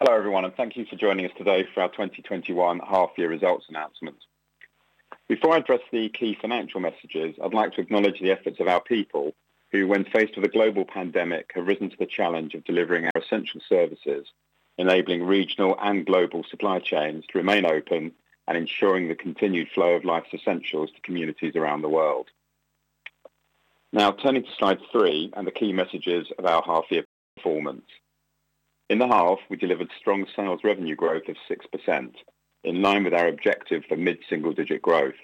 Hello, everyone, and thank you for joining us today for our 2021 half year results announcement. Before I address the key financial messages, I'd like to acknowledge the efforts of our people, who when faced with a global pandemic, have risen to the challenge of delivering our essential services, enabling regional and global supply chains to remain open and ensuring the continued flow of life's essentials to communities around the world. Now turning to slide three and the key messages of our half year performance. In the half, we delivered strong sales revenue growth of 6%, in line with our objective for mid-single digit growth.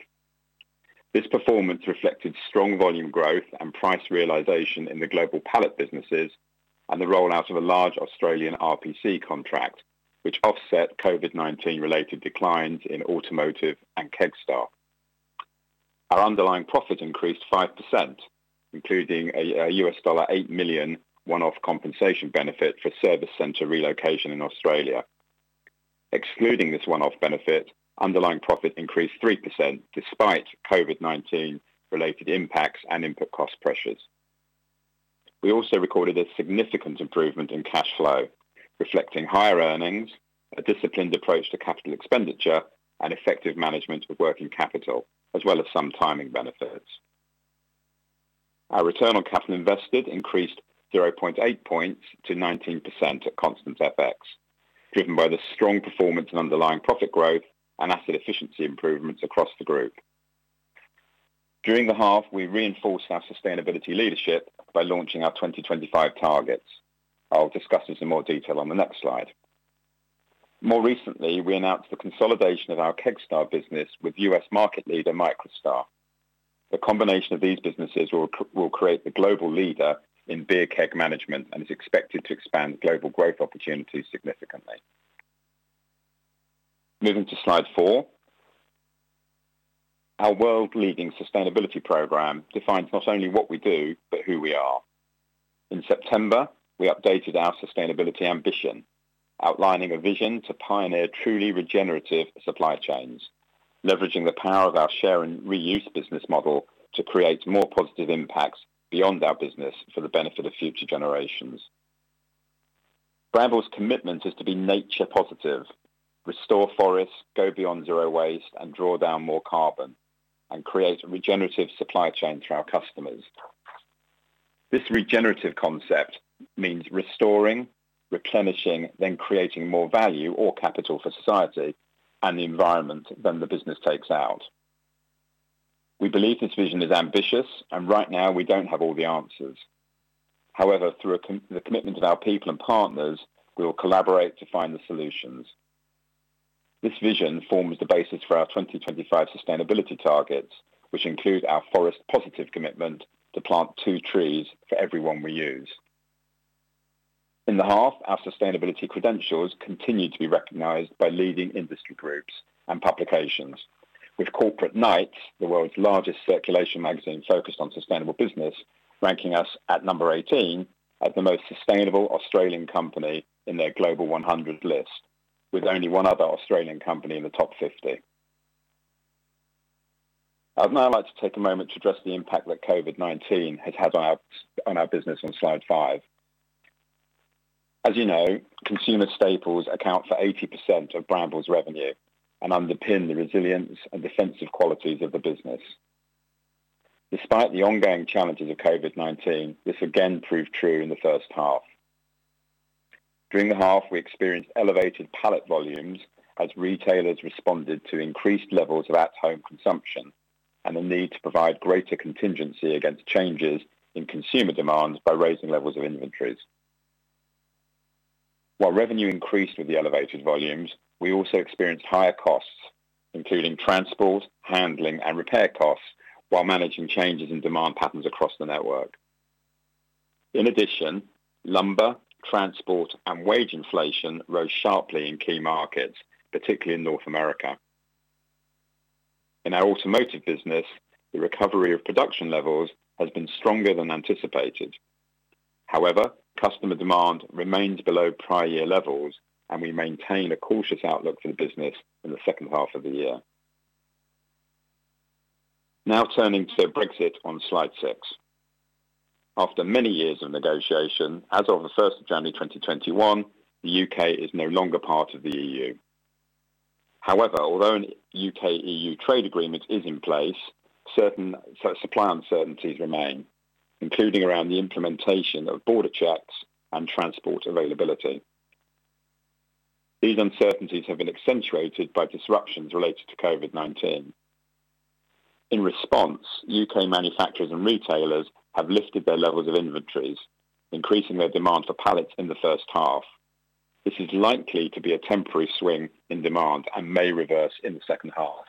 This performance reflected strong volume growth and price realization in the global pallet businesses and the rollout of a large Australian RPC contract, which offset COVID-19 related declines in automotive and Kegstar. Our underlying profit increased 5%, including an $8 million one-off compensation benefit for service center relocation in Australia. Excluding this one-off benefit, underlying profit increased 3% despite COVID-19 related impacts and input cost pressures. We also recorded a significant improvement in cash flow, reflecting higher earnings, a disciplined approach to capital expenditure and effective management of working capital, as well as some timing benefits. Our return on capital invested increased 0.8 points to 19% at constant FX, driven by the strong performance in underlying profit growth and asset efficiency improvements across the group. During the half, we reinforced our sustainability leadership by launching our 2025 targets. I'll discuss this in more detail on the next slide. More recently, we announced the consolidation of our Kegstar business with U.S. market leader MicroStar. The combination of these businesses will create the global leader in beer keg management and is expected to expand global growth opportunities significantly. Moving to slide four. Our world-leading sustainability program defines not only what we do, but who we are. In September, we updated our sustainability ambition, outlining a vision to pioneer truly regenerative supply chains, leveraging the power of our share and reuse business model to create more positive impacts beyond our business for the benefit of future generations. Brambles' commitment is to be nature positive, restore forests, go beyond zero waste and draw down more carbon and create a regenerative supply chain for our customers. This regenerative concept means restoring, replenishing, then creating more value or capital for society and the environment than the business takes out. We believe this vision is ambitious, and right now, we don't have all the answers. However, through the commitment of our people and partners, we will collaborate to find the solutions. This vision forms the basis for our 2025 sustainability targets, which include our forest positive commitment to plant two trees for every one we use. In the half, our sustainability credentials continued to be recognized by leading industry groups and publications with Corporate Knights, the world's largest circulation magazine focused on sustainable business, ranking us at number 18 as the most sustainable Australian company in their Global 100 list, with only one other Australian company in the top 50. I'd now like to take a moment to address the impact that COVID-19 has had on our business on slide five. As you know, consumer staples account for 80% of Brambles' revenue and underpin the resilience and defensive qualities of the business. Despite the ongoing challenges of COVID-19, this again proved true in the first half. During the half, we experienced elevated pallet volumes as retailers responded to increased levels of at home consumption and the need to provide greater contingency against changes in consumer demands by raising levels of inventories. While revenue increased with the elevated volumes, we also experienced higher costs, including transport, handling, and repair costs while managing changes in demand patterns across the network. In addition, lumber, transport and wage inflation rose sharply in key markets, particularly in North America. In our automotive business, the recovery of production levels has been stronger than anticipated. Customer demand remains below prior year levels, and we maintain a cautious outlook for the business in the second half of the year. Turning to Brexit on slide six. After many years of negotiation, as of the 1st of January 2021, the U.K. is no longer part of the EU. Although a UK-EU trade agreement is in place, certain supply uncertainties remain, including around the implementation of border checks and transport availability. These uncertainties have been accentuated by disruptions related to COVID-19. In response, U.K. manufacturers and retailers have lifted their levels of inventories, increasing their demand for pallets in the first half. This is likely to be a temporary swing in demand and may reverse in the second half.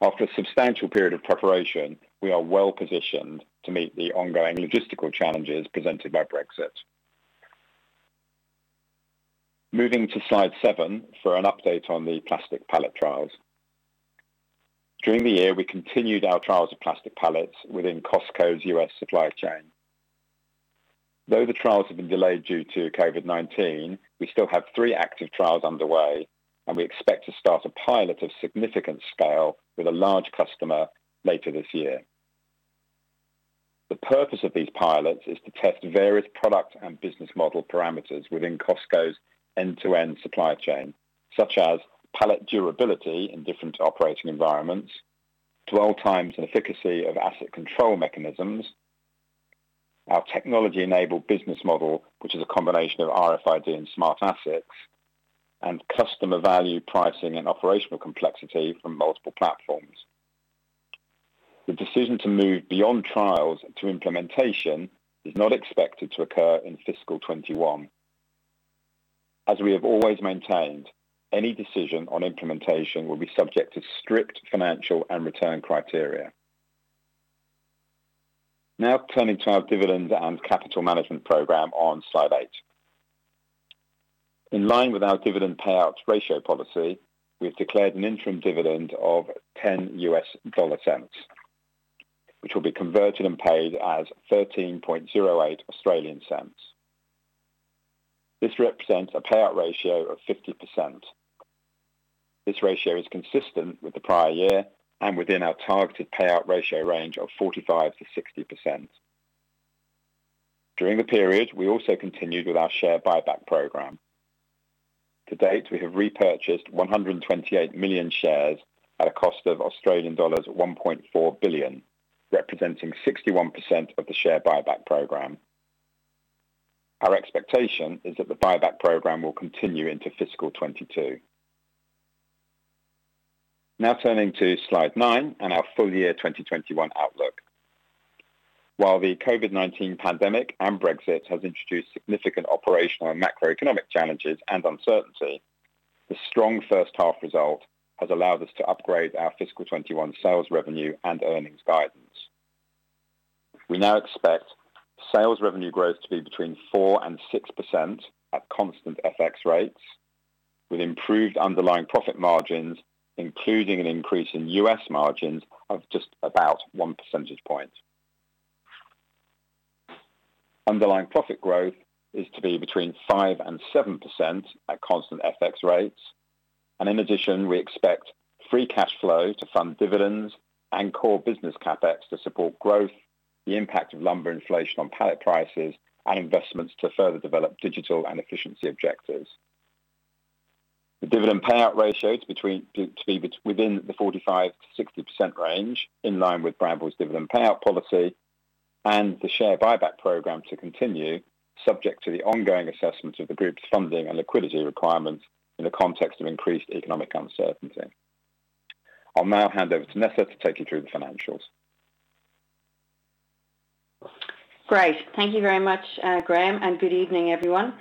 After a substantial period of preparation, we are well-positioned to meet the ongoing logistical challenges presented by Brexit. Moving to slide seven for an update on the plastic pallet trials. During the year, we continued our trials of plastic pallets within Costco's U.S. supply chain. Though the trials have been delayed due to COVID-19, we still have three active trials underway, and we expect to start a pilot of significant scale with a large customer later this year. The purpose of these pilots is to test various product and business model parameters within Costco's end-to-end supply chain, such as pallet durability in different operating environments, dwell times and efficacy of asset control mechanisms, our technology-enabled business model, which is a combination of RFID and smart assets, and customer value pricing and operational complexity from multiple platforms. The decision to move beyond trials to implementation is not expected to occur in FY 2021. As we have always maintained, any decision on implementation will be subject to strict financial and return criteria. Turning to our dividend and capital management program on Slide eight. In line with our dividend payout ratio policy, we have declared an interim dividend of $0.10, which will be converted and paid as 0.1308. This represents a payout ratio of 50%. This ratio is consistent with the prior year, and within our targeted payout ratio range of 45%-60%. During the period, we also continued with our share buyback program. To date, we have repurchased 128 million shares at a cost of Australian dollars 1.4 billion, representing 61% of the share buyback program. Our expectation is that the buyback program will continue into FY 2022. Turning to Slide nine and our full year 2021 outlook. While the COVID-19 pandemic and Brexit has introduced significant operational and macroeconomic challenges and uncertainty, the strong first half result has allowed us to upgrade our FY 2021 sales revenue and earnings guidance. We now expect sales revenue growth to be between 4% and 6% at constant FX rates, with improved underlying profit margins, including an increase in U.S. margins of just about one percentage point. Underlying profit growth is to be between 5% and 7% at constant FX rates. In addition, we expect free cash flow to fund dividends and core business CapEx to support growth, the impact of lumber inflation on pallet prices, and investments to further develop digital and efficiency objectives. The dividend payout ratio is to be within the 45%-60% range, in line with Brambles' dividend payout policy, and the share buyback program to continue subject to the ongoing assessment of the group's funding and liquidity requirements in the context of increased economic uncertainty. I'll now hand over to Nessa to take you through the financials. Great. Thank you very much, Graham, and good evening, everyone.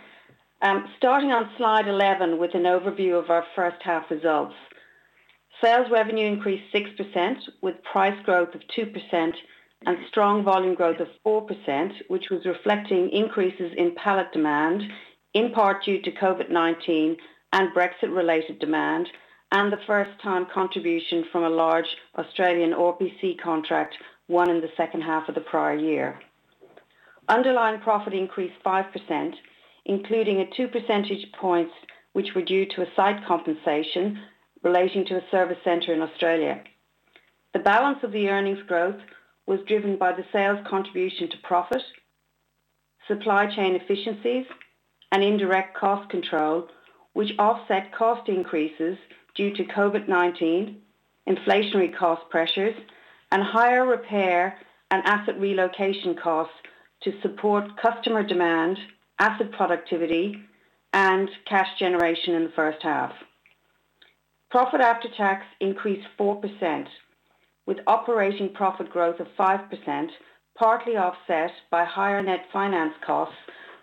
Starting on Slide 11 with an overview of our first half results. Sales revenue increased 6%, with price growth of 2% and strong volume growth of 4%, which was reflecting increases in pallet demand in part due to COVID-19 and Brexit-related demand, and the first time contribution from a large Australian RPC contract won in the second half of the prior year. Underlying profit increased 5%, including a 2 percentage points which were due to a site compensation relating to a service center in Australia. The balance of the earnings growth was driven by the sales contribution to profit, supply chain efficiencies, and indirect cost control, which offset cost increases due to COVID-19, inflationary cost pressures, and higher repair and asset relocation costs to support customer demand, asset productivity, and cash generation in the first half. Profit after tax increased 4%, with operating profit growth of 5%, partly offset by higher net finance costs,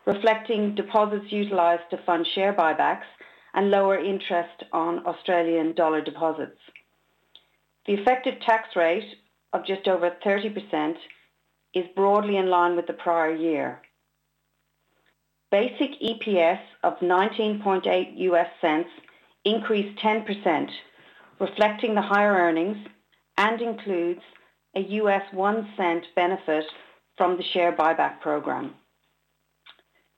reflecting deposits utilized to fund share buybacks and lower interest on AUD deposits. The effective tax rate of just over 30% is broadly in line with the prior year. Basic EPS of $0.198 increased 10%, reflecting the higher earnings and includes a $0.01 benefit from the share buyback program.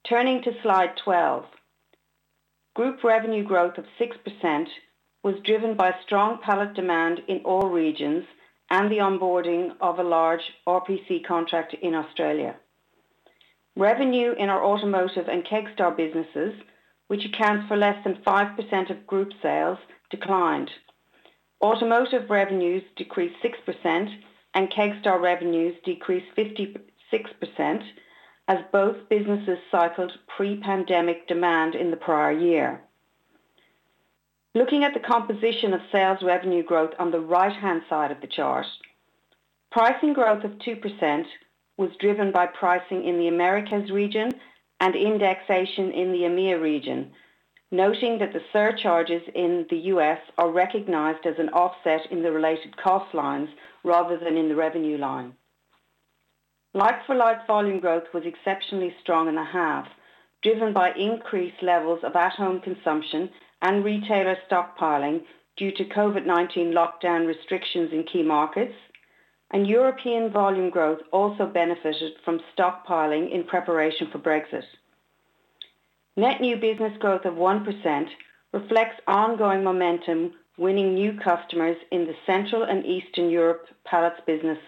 Turning to Slide 12. Group revenue growth of 6% was driven by strong pallet demand in all regions and the onboarding of a large RPC contract in Australia. Revenue in our Automotive and Kegstar businesses, which accounts for less than 5% of group sales, declined. Automotive revenues decreased 6%, and Kegstar revenues decreased 56%, as both businesses cycled pre-pandemic demand in the prior year. Looking at the composition of sales revenue growth on the right-hand side of the chart, pricing growth of 2% was driven by pricing in the Americas and indexation in the EMEA region, noting that the surcharges in the U.S. are recognized as an offset in the related cost lines rather than in the revenue line. Like-for-like volume growth was exceptionally strong in the half, driven by increased levels of at-home consumption and retailer stockpiling due to COVID-19 lockdown restrictions in key markets, and European volume growth also benefited from stockpiling in preparation for Brexit. Net new business growth of 1% reflects ongoing momentum, winning new customers in the Central and Eastern Europe Pallets business,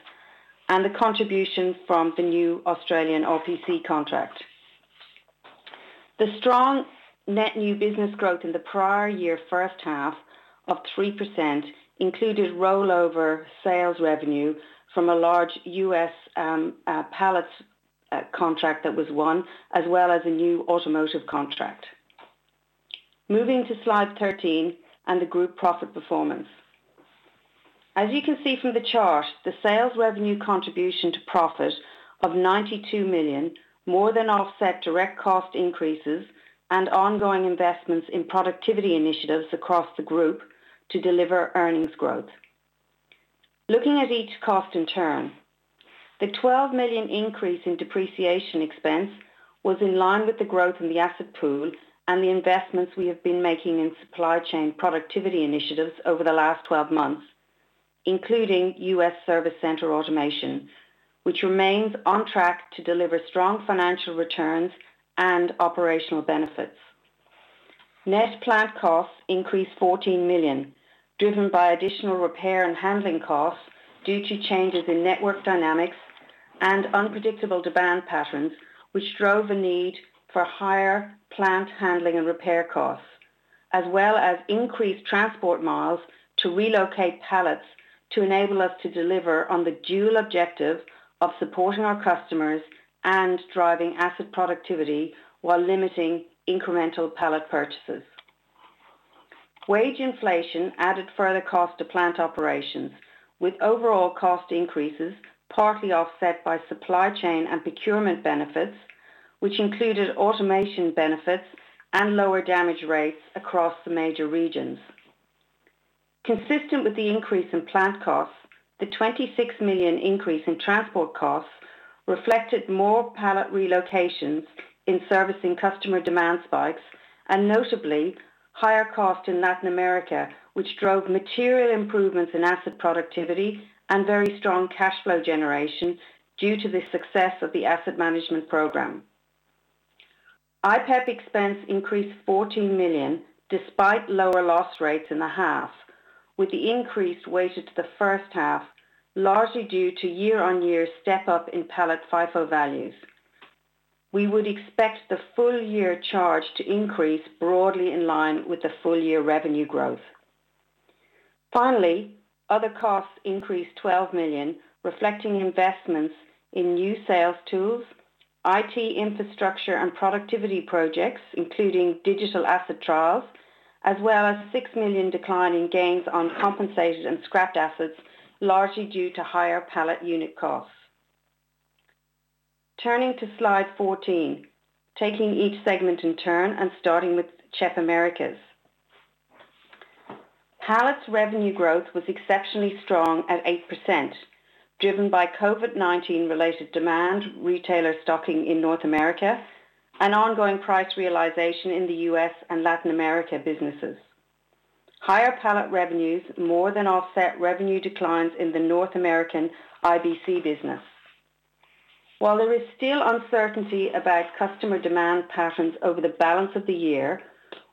and the contribution from the new Australian RPC contract. The strong net new business growth in the prior year first half of 3% included rollover sales revenue from a large U.S. Pallets contract that was won, as well as a new automotive contract. Moving to slide 13 and the group profit performance. As you can see from the chart, the sales revenue contribution to profit of $92 million more than offset direct cost increases and ongoing investments in productivity initiatives across the group to deliver earnings growth. Looking at each cost in turn. The $12 million increase in depreciation expense was in line with the growth in the asset pool and the investments we have been making in supply chain productivity initiatives over the last 12 months, including U.S. service center automation, which remains on track to deliver strong financial returns and operational benefits. Net plant costs increased $14 million, driven by additional repair and handling costs due to changes in network dynamics and unpredictable demand patterns, which drove a need for higher plant handling and repair costs, as well as increased transport miles to relocate pallets to enable us to deliver on the dual objective of supporting our customers and driving asset productivity while limiting incremental pallet purchases. Wage inflation added further cost to plant operations, with overall cost increases partly offset by supply chain and procurement benefits, which included automation benefits and lower damage rates across the major regions. Consistent with the increase in plant costs, the $26 million increase in transport costs reflected more pallet relocations in servicing customer demand spikes, and notably, higher costs in Latin America, which drove material improvements in asset productivity and very strong cash flow generation due to the success of the asset management program. IPEP expense increased $14 million despite lower loss rates in the half, with the increase weighted to the first half, largely due to year-on-year step-up in pallet FIFO values. We would expect the full-year charge to increase broadly in line with the full-year revenue growth. Finally, other costs increased $12 million, reflecting investments in new sales tools, IT infrastructure and productivity projects, including digital asset trials, as well as a $6 million decline in gains on compensated and scrapped assets, largely due to higher pallet unit costs. Turning to slide 14, taking each segment in turn and starting with CHEP Americas. Pallets revenue growth was exceptionally strong at 8%, driven by COVID-19 related demand, retailer stocking in North America, and ongoing price realization in the U.S. and Latin America businesses. Higher pallet revenues more than offset revenue declines in the North American IBC business. While there is still uncertainty about customer demand patterns over the balance of the year,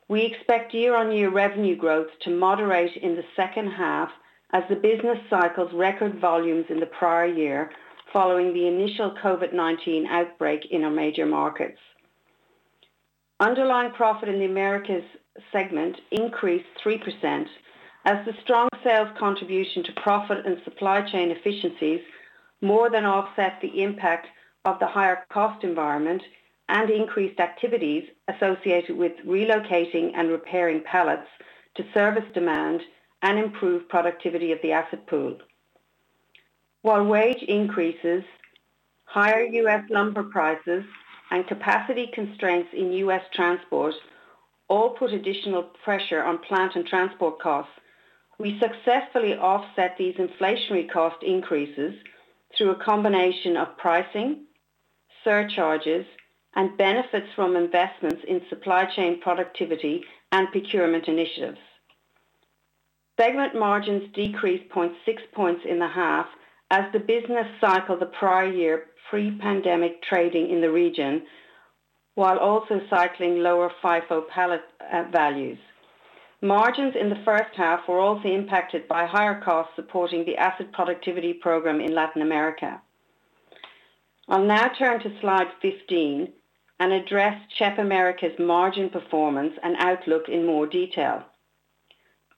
we expect year-on-year revenue growth to moderate in the second half as the business cycles record volumes in the prior year, following the initial COVID-19 outbreak in our major markets. Underlying profit in the Americas Segment increased 3% as the strong sales contribution to profit and supply chain efficiencies more than offset the impact of the higher cost environment and increased activities associated with relocating and repairing pallets to service demand and improve productivity of the asset pool. While wage increases, higher U.S. lumber prices, and capacity constraints in U.S. transport all put additional pressure on plant and transport costs, we successfully offset these inflationary cost increases through a combination of pricing, surcharges, and benefits from investments in supply chain productivity and procurement initiatives. Segment margins decreased 0.6 points in the half as the business cycled the prior year pre-pandemic trading in the region, while also cycling lower FIFO pallet values. Margins in the first half were also impacted by higher costs supporting the asset productivity program in Latin America. I'll now turn to slide 15 and address CHEP Americas' margin performance and outlook in more detail.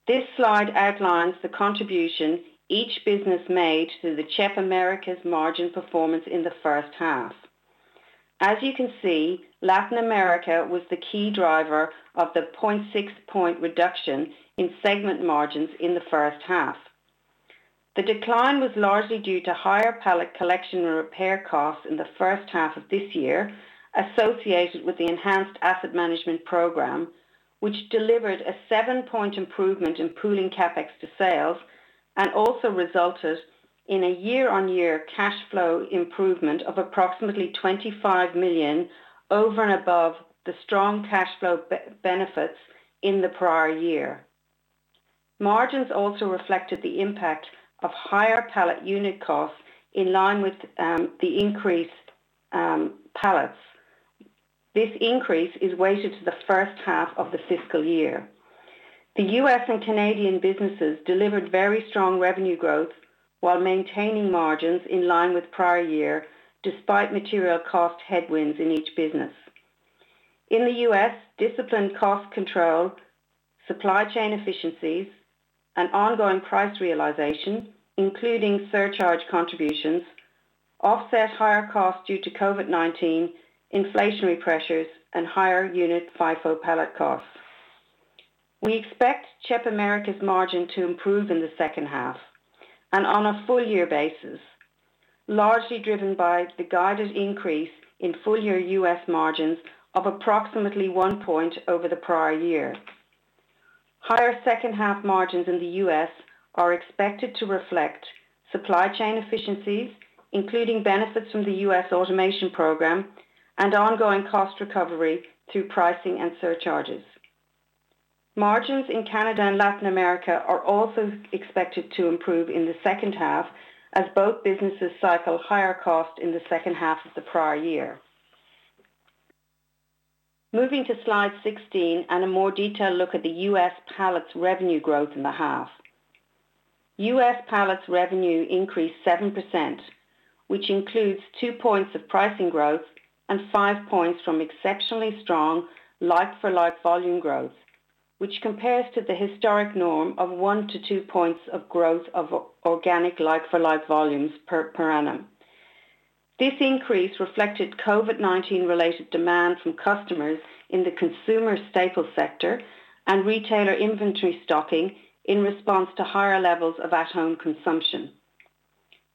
This slide outlines the contribution each business made to the CHEP Americas margin performance in the first half. As you can see, Latin America was the key driver of the 0.6 point reduction in segment margins in the first half. The decline was largely due to higher pallet collection and repair costs in the first half of this year associated with the enhanced asset management program, which delivered a seven-point improvement in pooling CapEx to sales and also resulted in a year-on-year cash flow improvement of approximately $25 million over and above the strong cash flow benefits in the prior year. Margins also reflected the impact of higher pallet unit costs in line with the increased pallets. This increase is weighted to the first half of the fiscal year. The U.S. and Canadian businesses delivered very strong revenue growth while maintaining margins in line with prior year, despite material cost headwinds in each business. In the U.S., disciplined cost control, supply chain efficiencies, and ongoing price realization, including surcharge contributions, offset higher costs due to COVID-19 inflationary pressures and higher unit FIFO pallet costs. We expect CHEP Americas' margin to improve in the second half and on a full year basis, largely driven by the guided increase in full year U.S. margins of approximately one point over the prior year. Higher second half margins in the U.S. are expected to reflect supply chain efficiencies, including benefits from the U.S. automation program and ongoing cost recovery through pricing and surcharges. Margins in Canada and Latin America are also expected to improve in the second half as both businesses cycle higher cost in the second half of the prior year. Moving to slide 16 and a more detailed look at the U.S. pallets revenue growth in the half. U.S. pallets revenue increased 7%, which includes two points of pricing growth and five points from exceptionally strong like-for-like volume growth, which compares to the historic norm of one to two points of growth of organic like-for-like volumes per annum. This increase reflected COVID-19 related demand from customers in the consumer staples sector and retailer inventory stocking in response to higher levels of at-home consumption.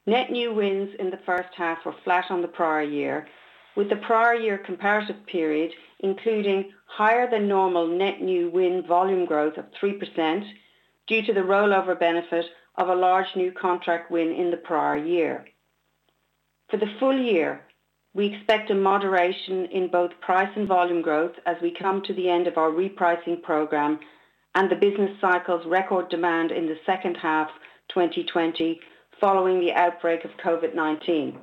Net new wins in the first half were flat on the prior year, with the prior year comparative period, including higher than normal net new win volume growth of 3% due to the rollover benefit of a large new contract win in the prior year. For the full year, we expect a moderation in both price and volume growth as we come to the end of our repricing program and the business cycle's record demand in the second half 2020 following the outbreak of COVID-19.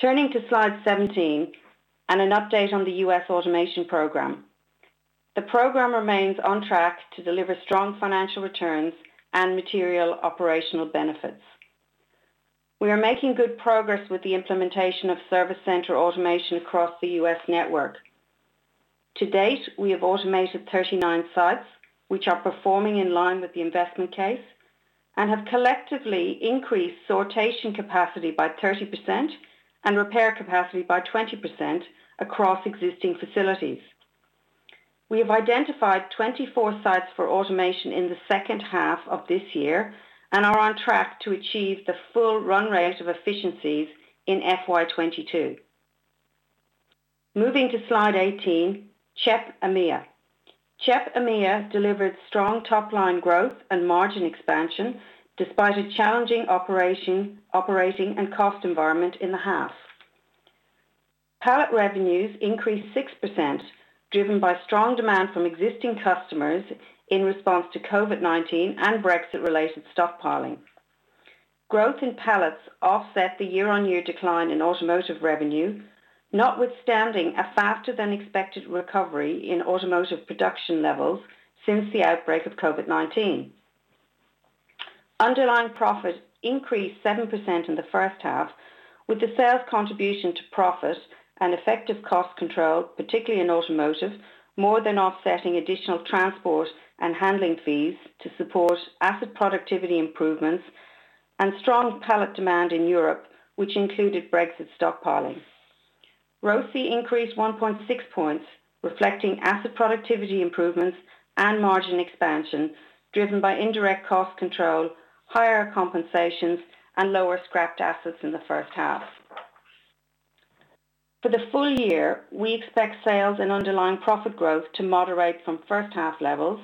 Turning to slide 17 and an update on the U.S. automation program. The program remains on track to deliver strong financial returns and material operational benefits. We are making good progress with the implementation of service center automation across the U.S. network. To date, we have automated 39 sites, which are performing in line with the investment case and have collectively increased sortation capacity by 30% and repair capacity by 20% across existing facilities. We have identified 24 sites for automation in the second half of this year and are on track to achieve the full run rate of efficiencies in FY22. Moving to slide 18, CHEP EMEA. CHEP EMEA delivered strong top-line growth and margin expansion despite a challenging operating and cost environment in the half. Pallet revenues increased 6%, driven by strong demand from existing customers in response to COVID-19 and Brexit-related stockpiling. Growth in pallets offset the year-on-year decline in automotive revenue, notwithstanding a faster than expected recovery in automotive production levels since the outbreak of COVID-19. Underlying profit increased 7% in the first half with the sales contribution to profit and effective cost control, particularly in automotive, more than offsetting additional transport and handling fees to support asset productivity improvements and strong pallet demand in Europe, which included Brexit stockpiling. ROC increased 1.6 points, reflecting asset productivity improvements and margin expansion driven by indirect cost control, higher compensations, and lower scrapped assets in the first half. For the full year, we expect sales and underlying profit growth to moderate from first half levels,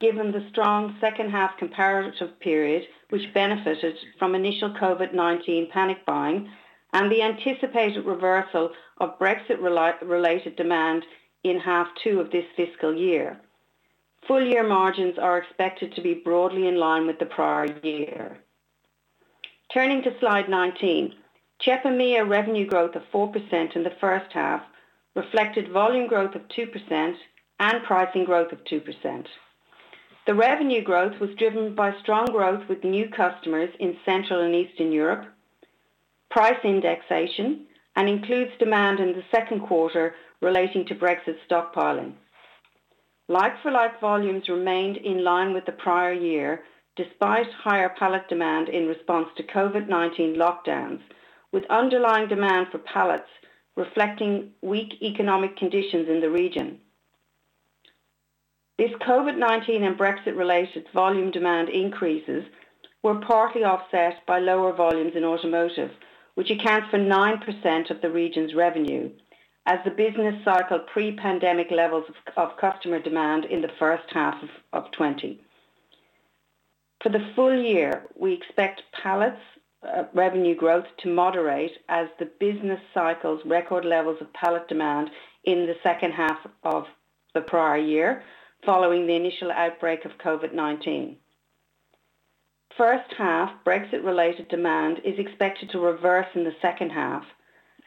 given the strong second half comparative period, which benefited from initial COVID-19 panic buying and the anticipated reversal of Brexit-related demand in half two of this fiscal year. Full year margins are expected to be broadly in line with the prior year. Turning to slide 19. CHEP EMEA revenue growth of 4% in the first half reflected volume growth of 2% and pricing growth of 2%. The revenue growth was driven by strong growth with new customers in Central and Eastern Europe, price indexation, and includes demand in the second quarter relating to Brexit stockpiling. Like-for-like volumes remained in line with the prior year, despite higher pallet demand in response to COVID-19 lockdowns, with underlying demand for pallets reflecting weak economic conditions in the region. These COVID-19 and Brexit-related volume demand increases were partly offset by lower volumes in automotive, which accounts for 9% of the region's revenue as the business cycle pre-pandemic levels of customer demand in the first half of 2020. For the full year, we expect pallets revenue growth to moderate as the business cycles record levels of pallet demand in the second half of the prior year, following the initial outbreak of COVID-19. First half Brexit-related demand is expected to reverse in the second half,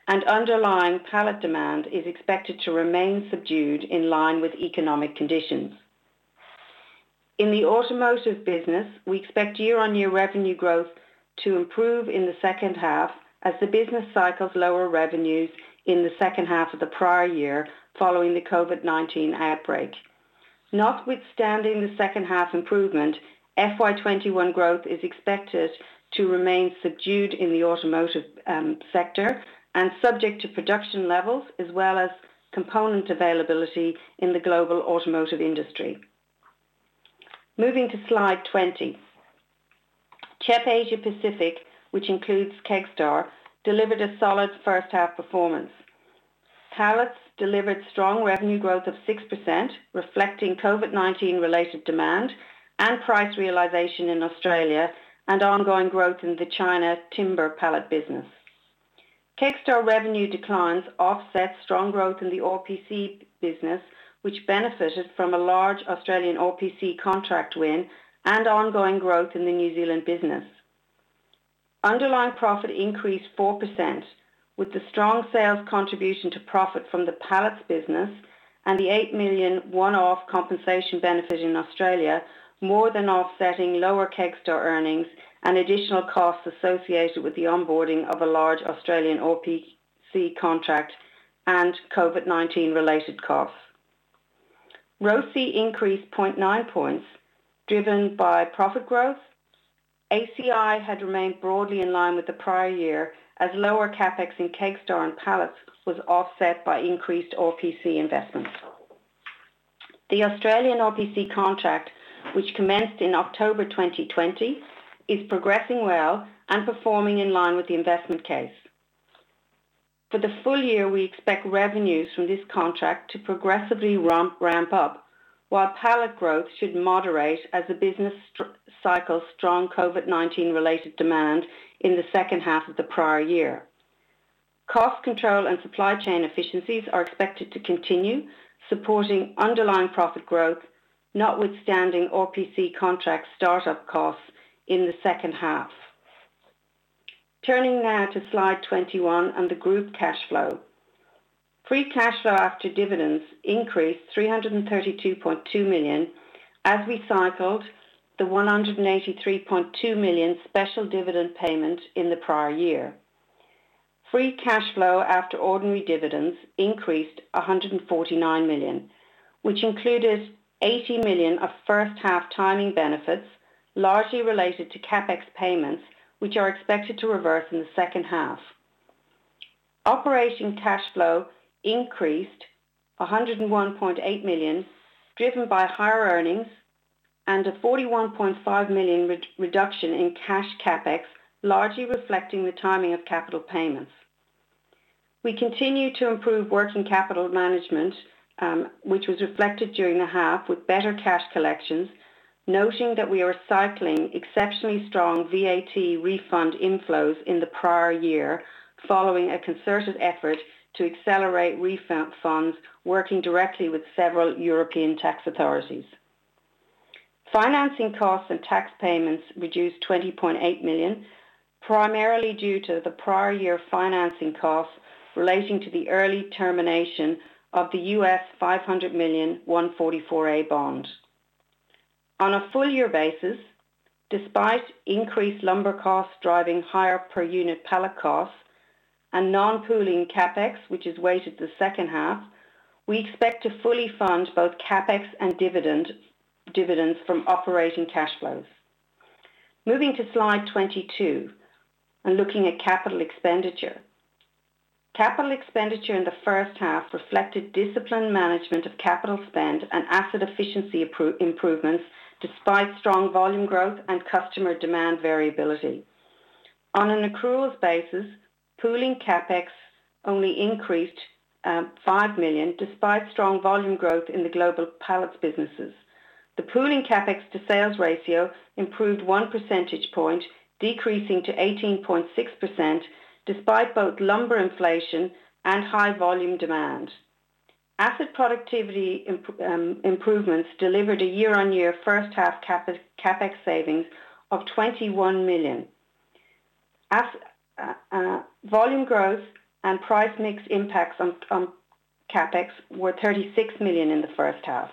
and underlying pallet demand is expected to remain subdued in line with economic conditions. In the automotive business, we expect year-on-year revenue growth to improve in the second half as the business cycles lower revenues in the second half of the prior year, following the COVID-19 outbreak. Notwithstanding the second half improvement, FY 2021 growth is expected to remain subdued in the automotive sector and subject to production levels as well as component availability in the global automotive industry. Moving to slide 20. CHEP Asia-Pacific, which includes Kegstar, delivered a solid first half performance. Pallets delivered strong revenue growth of 6%, reflecting COVID-19 related demand and price realization in Australia and ongoing growth in the China timber pallet business. Kegstar revenue declines offset strong growth in the RPC business, which benefited from a large Australian RPC contract win and ongoing growth in the New Zealand business. Underlying profit increased 4%, with the strong sales contribution to profit from the pallets business and the 8 million one-off compensation benefit in Australia, more than offsetting lower Kegstar earnings and additional costs associated with the onboarding of a large Australian RPC contract and COVID-19 related costs. ROCE increased 0.9 points, driven by profit growth. ACI had remained broadly in line with the prior year, as lower CapEx in Kegstar and pallets was offset by increased RPC investments. The Australian RPC contract, which commenced in October 2020, is progressing well and performing in line with the investment case. For the full year, we expect revenues from this contract to progressively ramp up, while pallet growth should moderate as the business cycle strong COVID-19 related demand in the second half of the prior year. Cost control and supply chain efficiencies are expected to continue supporting underlying profit growth, notwithstanding RPC contract start-up costs in the second half. Turning now to slide 21 and the group cash flow. Free cash flow after dividends increased 332.2 million as we cycled the 183.2 million special dividend payment in the prior year. Free cash flow after ordinary dividends increased $149 million, which included $80 million of first half timing benefits, largely related to CapEx payments, which are expected to reverse in the second half. Operating cash flow increased $101.8 million, driven by higher earnings and a $41.5 million reduction in cash CapEx, largely reflecting the timing of capital payments. We continue to improve working capital management, which was reflected during the half with better cash collections, noting that we are cycling exceptionally strong VAT refund inflows in the prior year following a concerted effort to accelerate refund funds working directly with several European tax authorities. Financing costs and tax payments reduced $20.8 million, primarily due to the prior year financing costs relating to the early termination of the U.S. $500 million 144A bond. On a full year basis, despite increased lumber costs driving higher per unit pallet costs and non-pooling CapEx, which is weighted the second half, we expect to fully fund both CapEx and dividends from operating cash flows. Moving to slide 22 and looking at capital expenditure. Capital expenditure in the first half reflected disciplined management of capital spend and asset efficiency improvements despite strong volume growth and customer demand variability. On an accruals basis, pooling CapEx only increased $5 million despite strong volume growth in the global pallets businesses. The pooling CapEx to sales ratio improved one percentage point, decreasing to 18.6%, despite both lumber inflation and high volume demand. Asset productivity improvements delivered a year-on-year first half CapEx savings of $21 million. Volume growth and price mix impacts on CapEx were $36 million in the first half.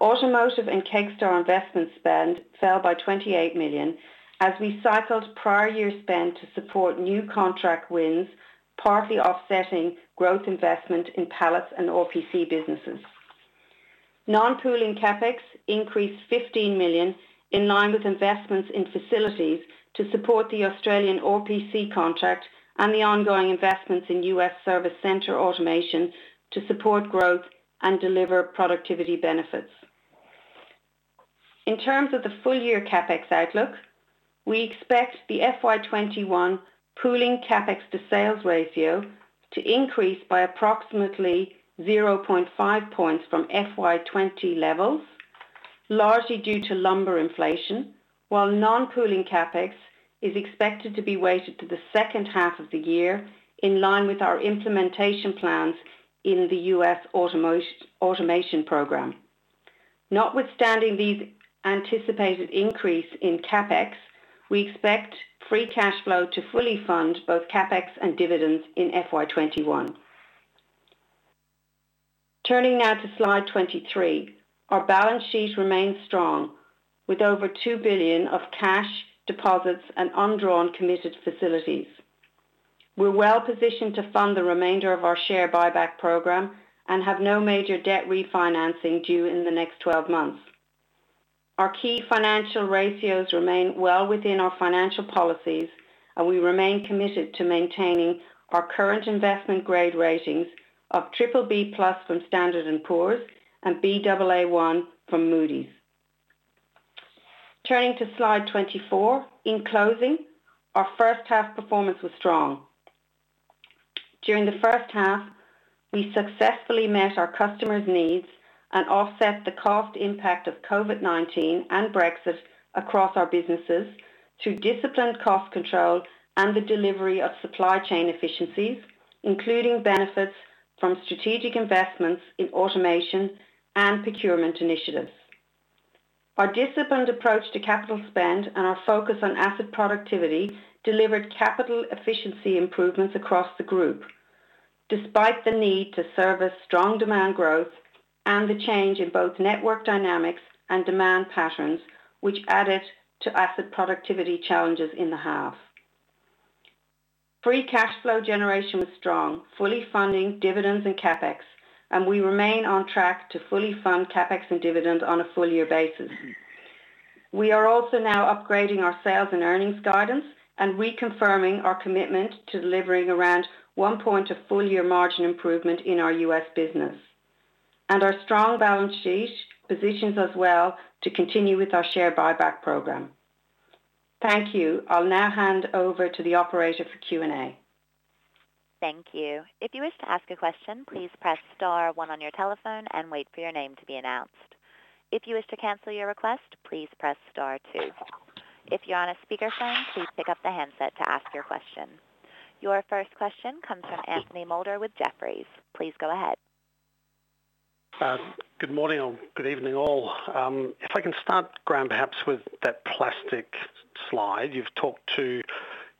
Automotive and Kegstar investment spend fell by 28 million as we cycled prior year spend to support new contract wins, partly offsetting growth investment in pallets and RPC businesses. Non-pooling CapEx increased 15 million in line with investments in facilities to support the Australian RPC contract and the ongoing investments in U.S. service center automation to support growth and deliver productivity benefits. In terms of the full year CapEx outlook. We expect the FY 2021 pooling CapEx to sales ratio to increase by approximately 0.5 points from FY 2020 levels, largely due to lumber inflation, while non-pooling CapEx is expected to be weighted to the second half of the year, in line with our implementation plans in the U.S. automation program. Notwithstanding these anticipated increase in CapEx, we expect free cash flow to fully fund both CapEx and dividends in FY 2021. Turning now to slide 23. Our balance sheet remains strong with over $2 billion of cash deposits and undrawn committed facilities. We're well-positioned to fund the remainder of our share buyback program and have no major debt refinancing due in the next 12 months. Our key financial ratios remain well within our financial policies. We remain committed to maintaining our current investment-grade ratings of BBB+ from Standard & Poor's and Baa1 from Moody's. Turning to slide 24. In closing, our first half performance was strong. During the first half, we successfully met our customers' needs and offset the cost impact of COVID-19 and Brexit across our businesses through disciplined cost control and the delivery of supply chain efficiencies, including benefits from strategic investments in automation and procurement initiatives. Our disciplined approach to capital spend and our focus on asset productivity delivered capital efficiency improvements across the group, despite the need to service strong demand growth and the change in both network dynamics and demand patterns, which added to asset productivity challenges in the half. Free cash flow generation was strong, fully funding dividends and CapEx, and we remain on track to fully fund CapEx and dividends on a full-year basis. We are also now upgrading our sales and earnings guidance and reconfirming our commitment to delivering around 1 point of full-year margin improvement in our U.S. business. Our strong balance sheet positions us well to continue with our share buyback program. Thank you. I'll now hand over to the operator for Q&A. Thank you, if you wish to ask a question, please press star one on your telephone and wait for your name to be announced. If you wish to cancel your request, please press star two. If you are on a speaker phone, please pick up your handset to ask your question. Your first question comes from Anthony Moulder with Jefferies. Please go ahead. Good morning or good evening all. I can start, Graham, perhaps with that plastic slide. You've talked to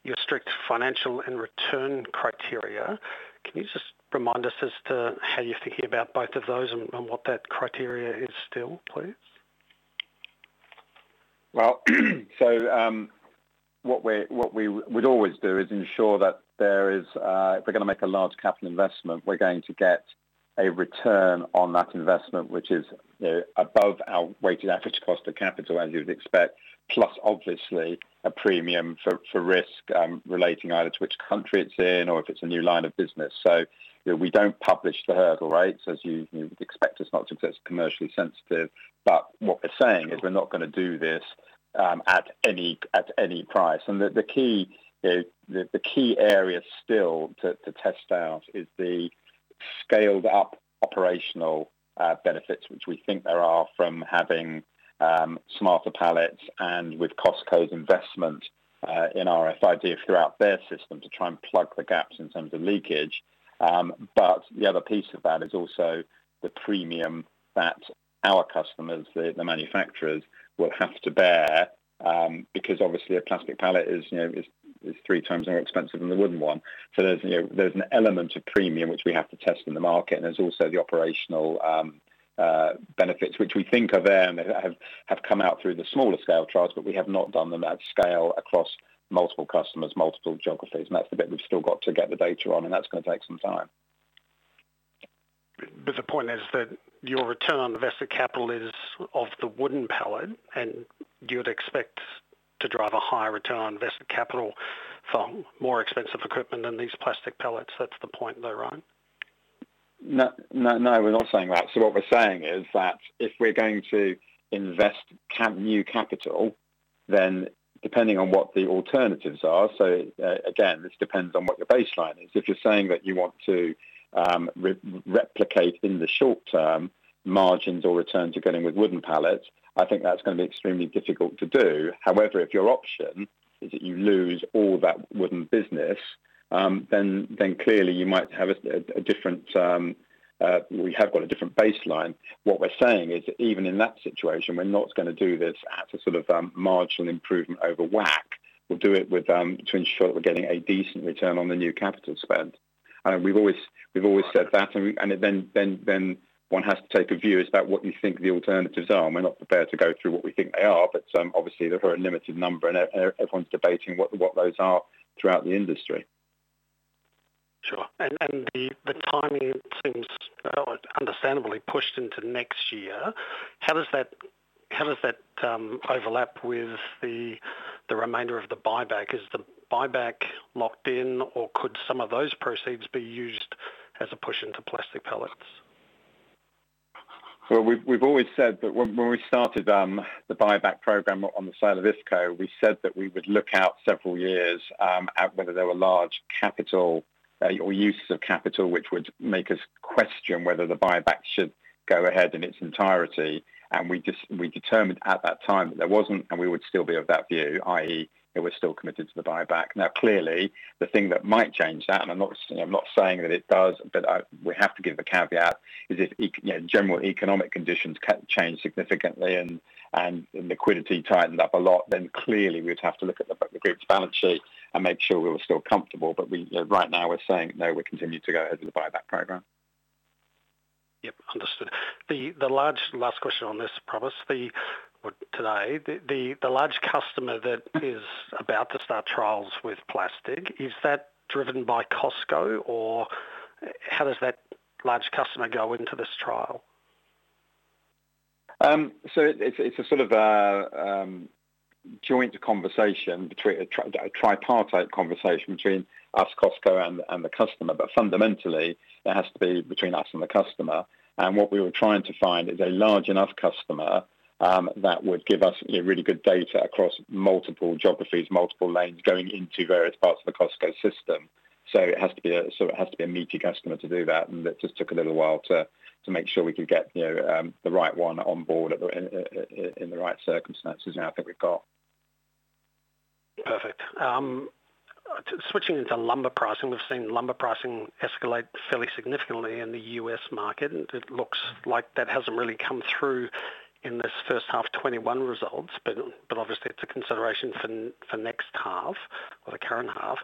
your strict financial and return criteria. Can you just remind us as to how you're thinking about both of those and what that criteria is still, please? What we'd always do is ensure that if we're going to make a large capital investment, we're going to get a return on that investment, which is above our weighted average cost of capital, as you would expect. Obviously, a premium for risk relating either to which country it's in or if it's a new line of business. We don't publish the hurdle rates, as you would expect us not to, because it's commercially sensitive. What we're saying is we're not going to do this at any price. The key area still to test out is the scaled-up operational benefits, which we think there are from having smarter pallets and with Costco's investment in RFID throughout their system to try and plug the gaps in terms of leakage. The other piece of that is also the premium that our customers, the manufacturers, will have to bear. Obviously a plastic pallet is three times more expensive than the wooden one. There's an element of premium which we have to test in the market, and there's also the operational benefits, which we think are there and have come out through the smaller scale trials, but we have not done them at scale across multiple customers, multiple geographies, and that's the bit we've still got to get the data on, and that's going to take some time. The point is that your return on invested capital is of the wooden pallet, and you would expect to drive a higher return on invested capital from more expensive equipment than these plastic pallets. That's the point though, right? No, we're not saying that. What we're saying is that if we're going to invest new capital, depending on what the alternatives are, again, this depends on what your baseline is. If you're saying that you want to replicate in the short term margins or returns you're getting with wooden pallets, I think that's going to be extremely difficult to do. If your option is that you lose all that wooden business, clearly you might have a different baseline. What we're saying is that even in that situation, we're not going to do this at a marginal improvement over WACC. We'll do it to ensure that we're getting a decent return on the new capital spend. We've always said that, one has to take a view about what you think the alternatives are, we're not prepared to go through what we think they are. Obviously, there are a limited number, everyone's debating what those are throughout the industry. Sure. The timing seems understandably pushed into next year. How does that overlap with the remainder of the buyback? Is the buyback locked in, or could some of those proceeds be used as a push into plastic pallets? We've always said that when we started the buyback program on the sale of IFCO, we said that we would look out several years at whether there were large capital or uses of capital, which would make us question whether the buyback should go ahead in its entirety. We determined at that time that there wasn't, and we would still be of that view, i.e., that we're still committed to the buyback. Clearly, the thing that might change that, and I'm not saying that it does, but we have to give the caveat is if general economic conditions change significantly and liquidity tightened up a lot, then clearly we'd have to look at the group's balance sheet and make sure we were still comfortable. Right now, we're saying, no, we're continuing to go ahead with the buyback program. Yep, understood. The last question on this, I promise, for today. The large customer that is about to start trials with plastic, is that driven by Costco, or how does that large customer go into this trial? It's a sort of joint conversation, a tripartite conversation between us, Costco, and the customer. Fundamentally, it has to be between us and the customer. What we were trying to find is a large enough customer that would give us really good data across multiple geographies, multiple lanes, going into various parts of the Costco system. It has to be a meaty customer to do that, and it just took a little while to make sure we could get the right one on board in the right circumstances, and I think we've got. Perfect. Switching into lumber pricing. We've seen lumber pricing escalate fairly significantly in the U.S. market, and it looks like that hasn't really come through in this first half 2021 results, but obviously it's a consideration for next half or the current half.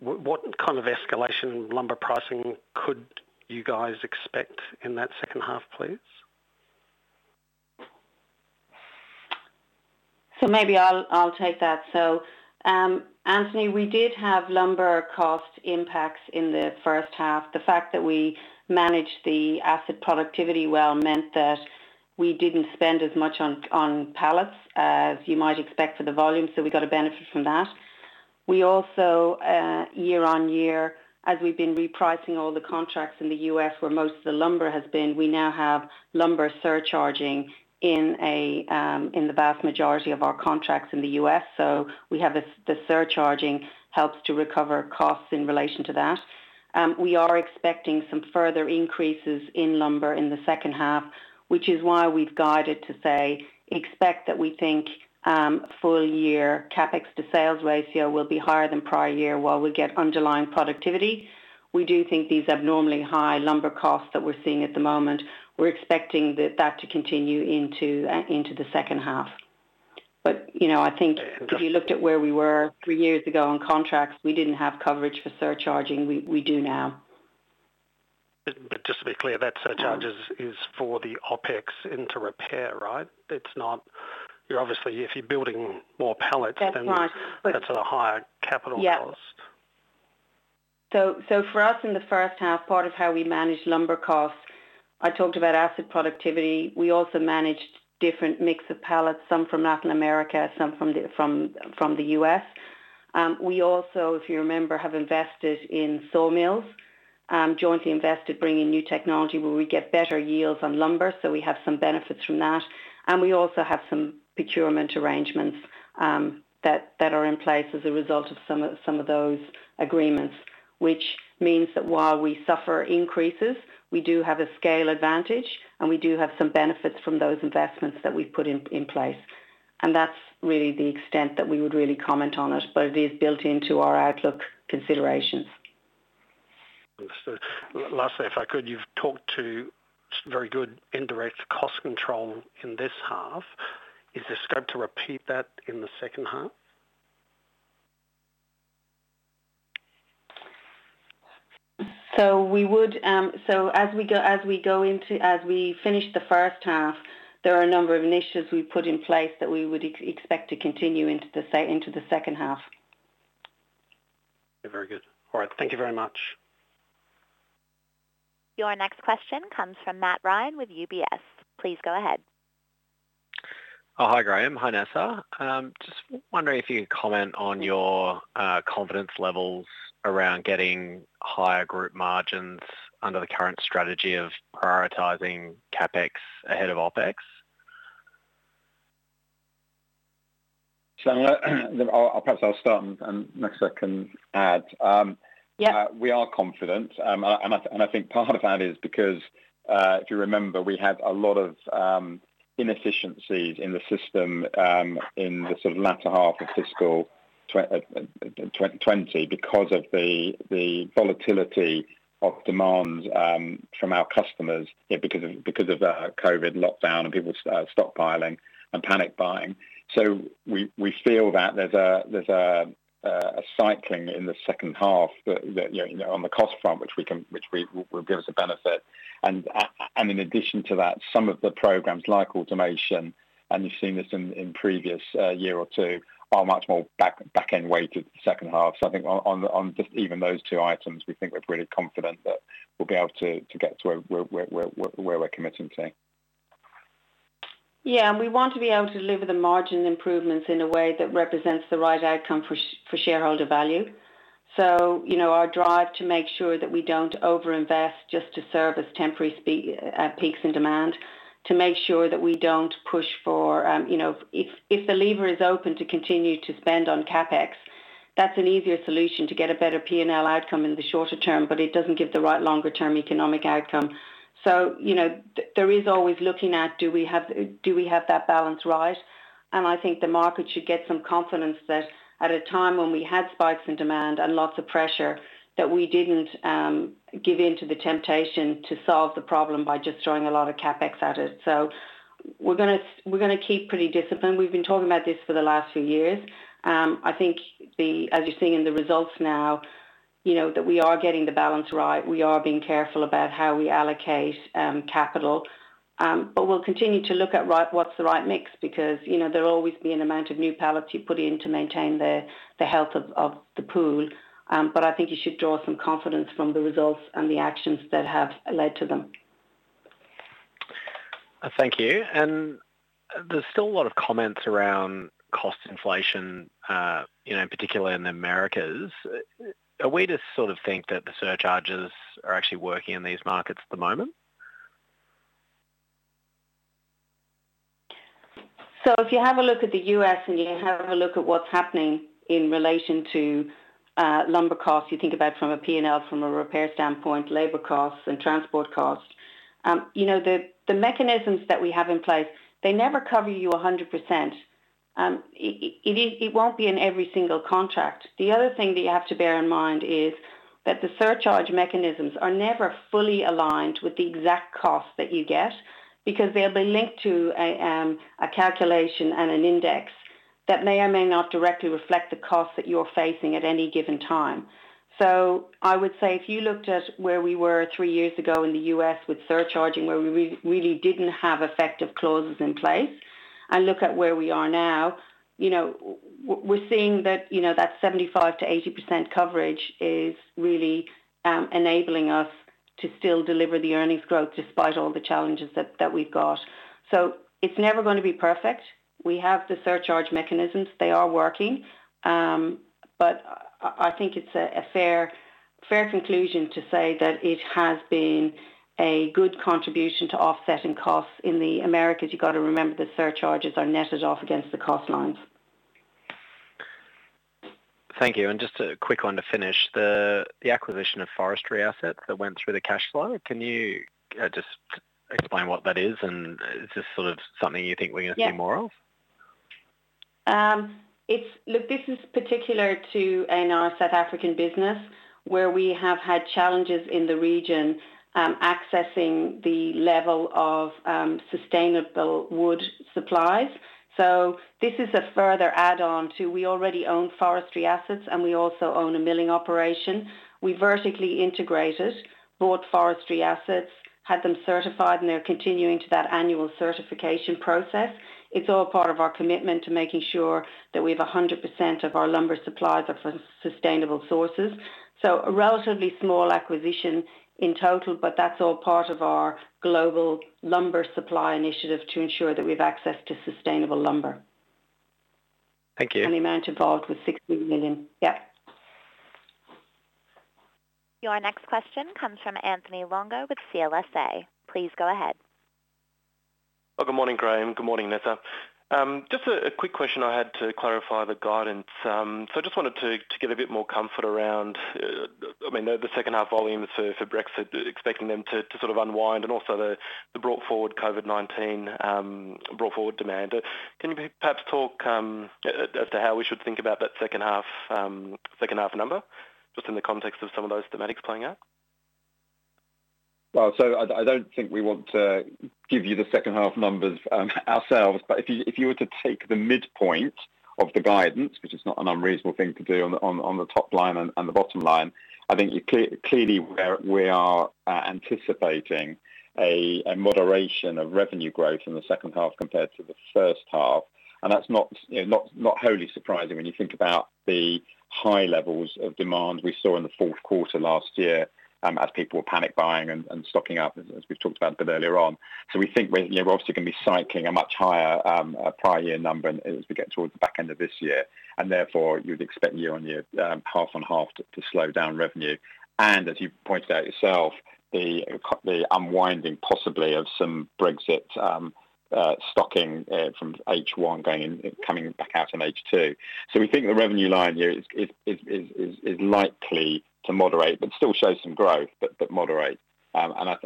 What kind of escalation in lumber pricing could you guys expect in that second half, please? Maybe I'll take that. Anthony, we did have lumber cost impacts in the first half. The fact that we managed the asset productivity well meant that we didn't spend as much on pallets as you might expect for the volume, so we got a benefit from that. We also, year-over-year, as we've been repricing all the contracts in the U.S. where most of the lumber has been, we now have lumber surcharging in the vast majority of our contracts in the U.S. We have the surcharging helps to recover costs in relation to that. We are expecting some further increases in lumber in the second half, which is why we've guided to say, expect that we think full year CapEx to sales ratio will be higher than prior year while we get underlying productivity. We do think these abnormally high lumber costs that we're seeing at the moment, we're expecting that to continue into the second half. I think if you looked at where we were three years ago on contracts, we didn't have coverage for surcharging. We do now. Just to be clear, that surcharge is for the OpEx into repair, right? That's right. That's at a higher capital cost. For us in the first half, part of how we managed lumber costs, I talked about asset productivity. We also managed different mix of pallets, some from Latin America, some from the U.S. We also, if you remember, have invested in sawmills, jointly invested, bringing new technology where we get better yields on lumber. We have some benefits from that. We also have some procurement arrangements that are in place as a result of some of those agreements, which means that while we suffer increases, we do have a scale advantage, and we do have some benefits from those investments that we've put in place. That's really the extent that we would really comment on it is built into our outlook considerations. Understood. Lastly, if I could, you've talked to very good indirect cost control in this half. Is the scope to repeat that in the second half? As we finish the first half, there are a number of initiatives we put in place that we would expect to continue into the second half. Very good. All right. Thank you very much. Your next question comes from Matt Ryan with UBS. Please go ahead. Oh, hi, Graham. Hi, Nessa. Just wondering if you could comment on your confidence levels around getting higher group margins under the current strategy of prioritizing CapEx ahead of OpEx? Perhaps I'll start, and Nessa can add. Yeah. We are confident, and I think part of that is because, if you remember, we had a lot of inefficiencies in the system in the sort of latter half of fiscal 2020 because of the volatility of demands from our customers because of the COVID lockdown and people stockpiling and panic buying. We feel that there's a cycling in the second half on the cost front, which will give us a benefit. In addition to that, some of the programs like automation, and you've seen this in previous year or two, are much more back-end weighted to the second half. I think on just even those two items, we think we're pretty confident that we'll be able to get to where we're committing to. We want to be able to deliver the margin improvements in a way that represents the right outcome for shareholder value. Our drive to make sure that we don't overinvest just to serve as temporary peaks in demand, to make sure that we don't push for If the lever is open to continue to spend on CapEx, that's an easier solution to get a better P&L outcome in the shorter term, but it doesn't give the right longer term economic outcome. There is always looking at, do we have that balance right? I think the market should get some confidence that at a time when we had spikes in demand and lots of pressure that we didn't give in to the temptation to solve the problem by just throwing a lot of CapEx at it. We're going to keep pretty disciplined. We've been talking about this for the last few years. I think as you're seeing in the results now, that we are getting the balance right. We are being careful about how we allocate capital. We'll continue to look at what's the right mix, because there will always be an amount of new pallets you put in to maintain the health of the pool. I think you should draw some confidence from the results and the actions that have led to them. Thank you. There's still a lot of comments around cost inflation, particularly in the Americas. Are we to sort of think that the surcharges are actually working in these markets at the moment? If you have a look at the U.S. and you have a look at what's happening in relation to lumber costs, you think about from a P&L, from a repair standpoint, labor costs and transport costs. The mechanisms that we have in place, they never cover you 100%. It won't be in every single contract. The other thing that you have to bear in mind is that the surcharge mechanisms are never fully aligned with the exact cost that you get, because they'll be linked to a calculation and an index that may or may not directly reflect the cost that you're facing at any given time. I would say if you looked at where we were three years ago in the U.S. with surcharging, where we really didn't have effective clauses in place, and look at where we are now, we're seeing that that 75%-80% coverage is really enabling us to still deliver the earnings growth despite all the challenges that we've got. It's never going to be perfect. We have the surcharge mechanisms. They are working. I think it's a fair conclusion to say that it has been a good contribution to offsetting costs in the Americas. You got to remember the surcharges are netted off against the cost lines. Thank you. Just a quick one to finish. The acquisition of forestry assets that went through the cash flow. Can you just explain what that is and is this sort of something you think we're going to see more of? This is particular to in our South African business where we have had challenges in the region, accessing the level of sustainable wood supplies. This is a further add-on to, we already own forestry assets and we also own a milling operation. We vertically integrated, bought forestry assets, had them certified, and they're continuing to that annual certification process. It's all part of our commitment to making sure that we have 100% of our lumber supplies are from sustainable sources. A relatively small acquisition in total, but that's all part of our Global Lumber Supply Initiative to ensure that we have access to sustainable lumber. Thank you. The amount involved was $60 million. Yeah. Your next question comes from Anthony Longo with CLSA. Please go ahead. Good morning, Graham. Good morning, Nessa. Just a quick question I had to clarify the guidance. Just wanted to get a bit more comfort around the second half volumes for Brexit, expecting them to unwind and also the COVID-19 brought forward demand. Can you perhaps talk as to how we should think about that second half number, just in the context of some of those thematics playing out? I don't think we want to give you the second half numbers ourselves. If you were to take the midpoint of the guidance, which is not an unreasonable thing to do on the top line and the bottom line, I think clearly we are anticipating a moderation of revenue growth in the second half compared to the first half. That's not wholly surprising when you think about the high levels of demand we saw in the fourth quarter last year as people were panic buying and stocking up, as we've talked about a bit earlier on. We think we're obviously going to be cycling a much higher prior year number as we get towards the back end of this year, and therefore you'd expect year-on-year, half-on-half to slow down revenue. As you pointed out yourself, the unwinding possibly of some Brexit stocking from H1 going and coming back out in H2. We think the revenue line here is likely to moderate, but still show some growth, but moderate. I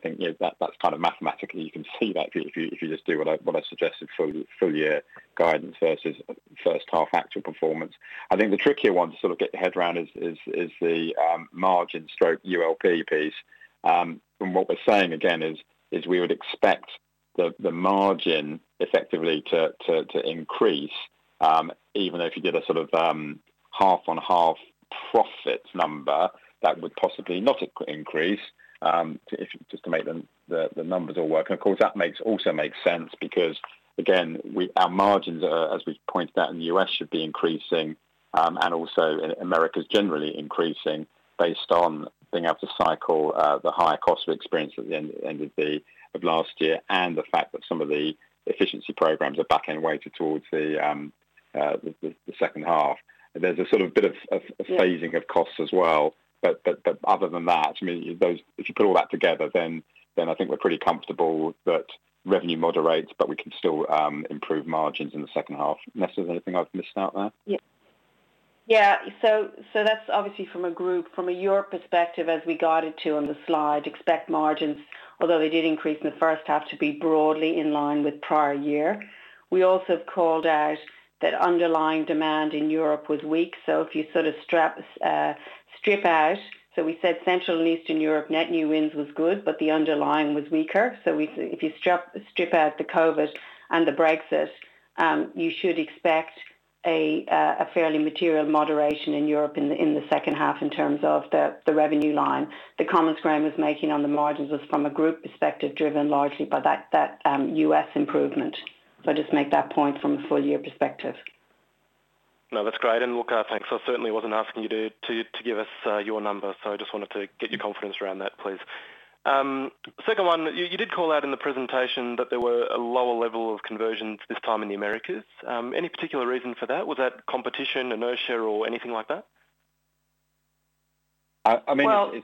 think that's kind of mathematically you can see that if you just do what I suggested, full year guidance versus first half actual performance. I think the trickier one to get your head around is the margin/ULP piece. What we're saying again is we would expect the margin effectively to increase even though if you did a sort of half on half profit number, that would possibly not increase, just to make the numbers all work. Of course, that also makes sense because, again, our margins are, as we've pointed out in the U.S., should be increasing, and also in Americas generally increasing based on being able to cycle the higher costs we experienced at the end of last year, and the fact that some of the efficiency programs are back-end weighted towards the second half. There's a sort of bit of phasing of costs as well. Other than that, if you put all that together, then I think we're pretty comfortable that revenue moderates, but we can still improve margins in the second half. Ness, is there anything I've missed out there? Yeah. That's obviously from a group. From a Europe perspective, as we guided to on the slide, expect margins, although they did increase in the first half, to be broadly in line with prior year. We also called out that underlying demand in Europe was weak. If you sort of strip out, we said Central and Eastern Europe net new wins was good, but the underlying was weaker. If you strip out the COVID and the Brexit, you should expect a fairly material moderation in Europe in the second half in terms of the revenue line. The comments Graham is making on the margins was from a group perspective driven largely by that U.S. improvement. I just make that point from a full year perspective. No, that's great. Look, thanks. I certainly wasn't asking you to give us your numbers, so I just wanted to get your confidence around that, please. Second one, you did call out in the presentation that there were a lower level of conversions this time in the Americas. Any particular reason for that? Was that competition, inertia, or anything like that? I mean, Well,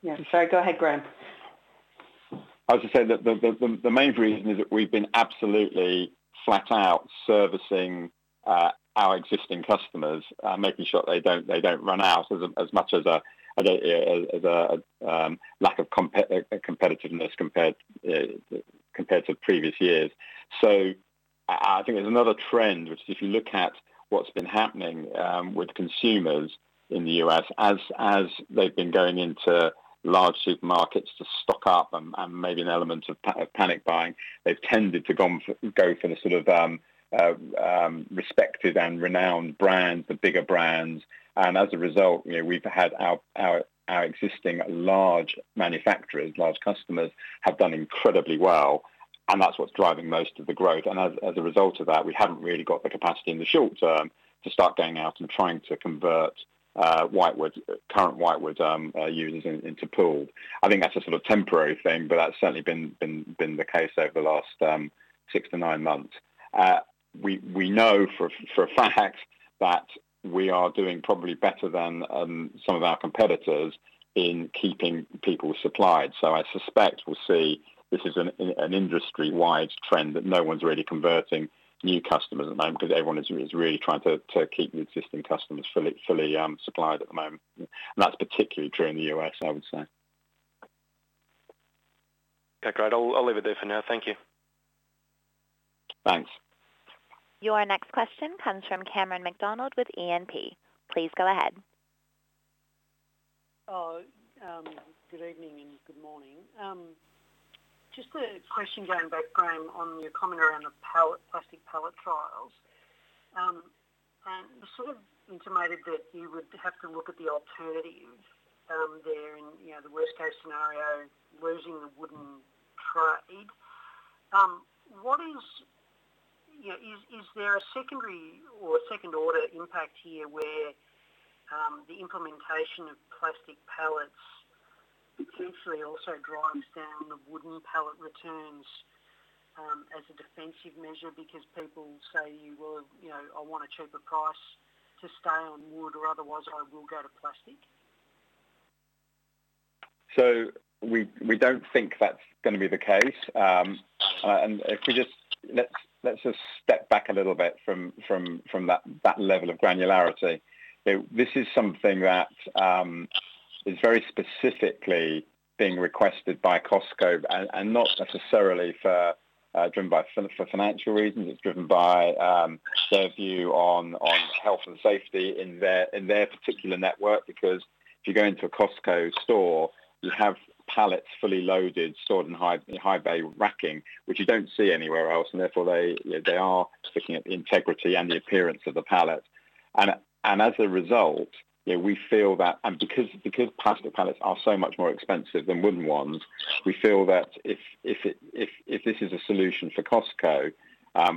Yeah, Sorry, go ahead, Graham. I was going to say that the main reason is that we've been absolutely flat out servicing our existing customers, making sure they don't run out as much as a lack of competitiveness compared to previous years. I think there's another trend, which is if you look at what's been happening with consumers in the U.S., as they've been going into large supermarkets to stock up and maybe an element of panic buying, they've tended to go for the sort of respected and renowned brands, the bigger brands. As a result, we've had our existing large manufacturers, large customers, have done incredibly well, and that's what's driving most of the growth. As a result of that, we haven't really got the capacity in the short term to start going out and trying to convert current whitewood users into pooled. I think that's a sort of temporary thing, but that's certainly been the case over the last six to nine months. We know for a fact that we are doing probably better than some of our competitors in keeping people supplied. I suspect we'll see this is an industry-wide trend that no one's really converting new customers at the moment because everyone is really trying to keep the existing customers fully supplied at the moment. That's particularly true in the U.S., I would say. Okay, great. I'll leave it there for now. Thank you. Thanks. Your next question comes from Cameron McDonald with E&P. Please go ahead. Oh, good evening and good morning. Just a question going back, Graham, on your comment around the plastic pallet trials. You sort of intimated that you would have to look at the alternatives there in the worst case scenario, losing the wooden trade. Is there a secondary or a second order impact here where the implementation of plastic pallets potentially also drives down the wooden pallet returns as a defensive measure because people say, "I want a cheaper price to stay on wood or otherwise I will go to plastic"? We don't think that's going to be the case. Let's just step back a little bit from that level of granularity. This is something that is very specifically being requested by Costco and not necessarily driven for financial reasons. It's driven by their view on health and safety in their particular network because if you go into a Costco store, you have pallets fully loaded, stored in high bay racking, which you don't see anywhere else, and therefore they are looking at the integrity and the appearance of the pallet. As a result, we feel that and because plastic pallets are so much more expensive than wooden ones, we feel that if this is a solution for Costco,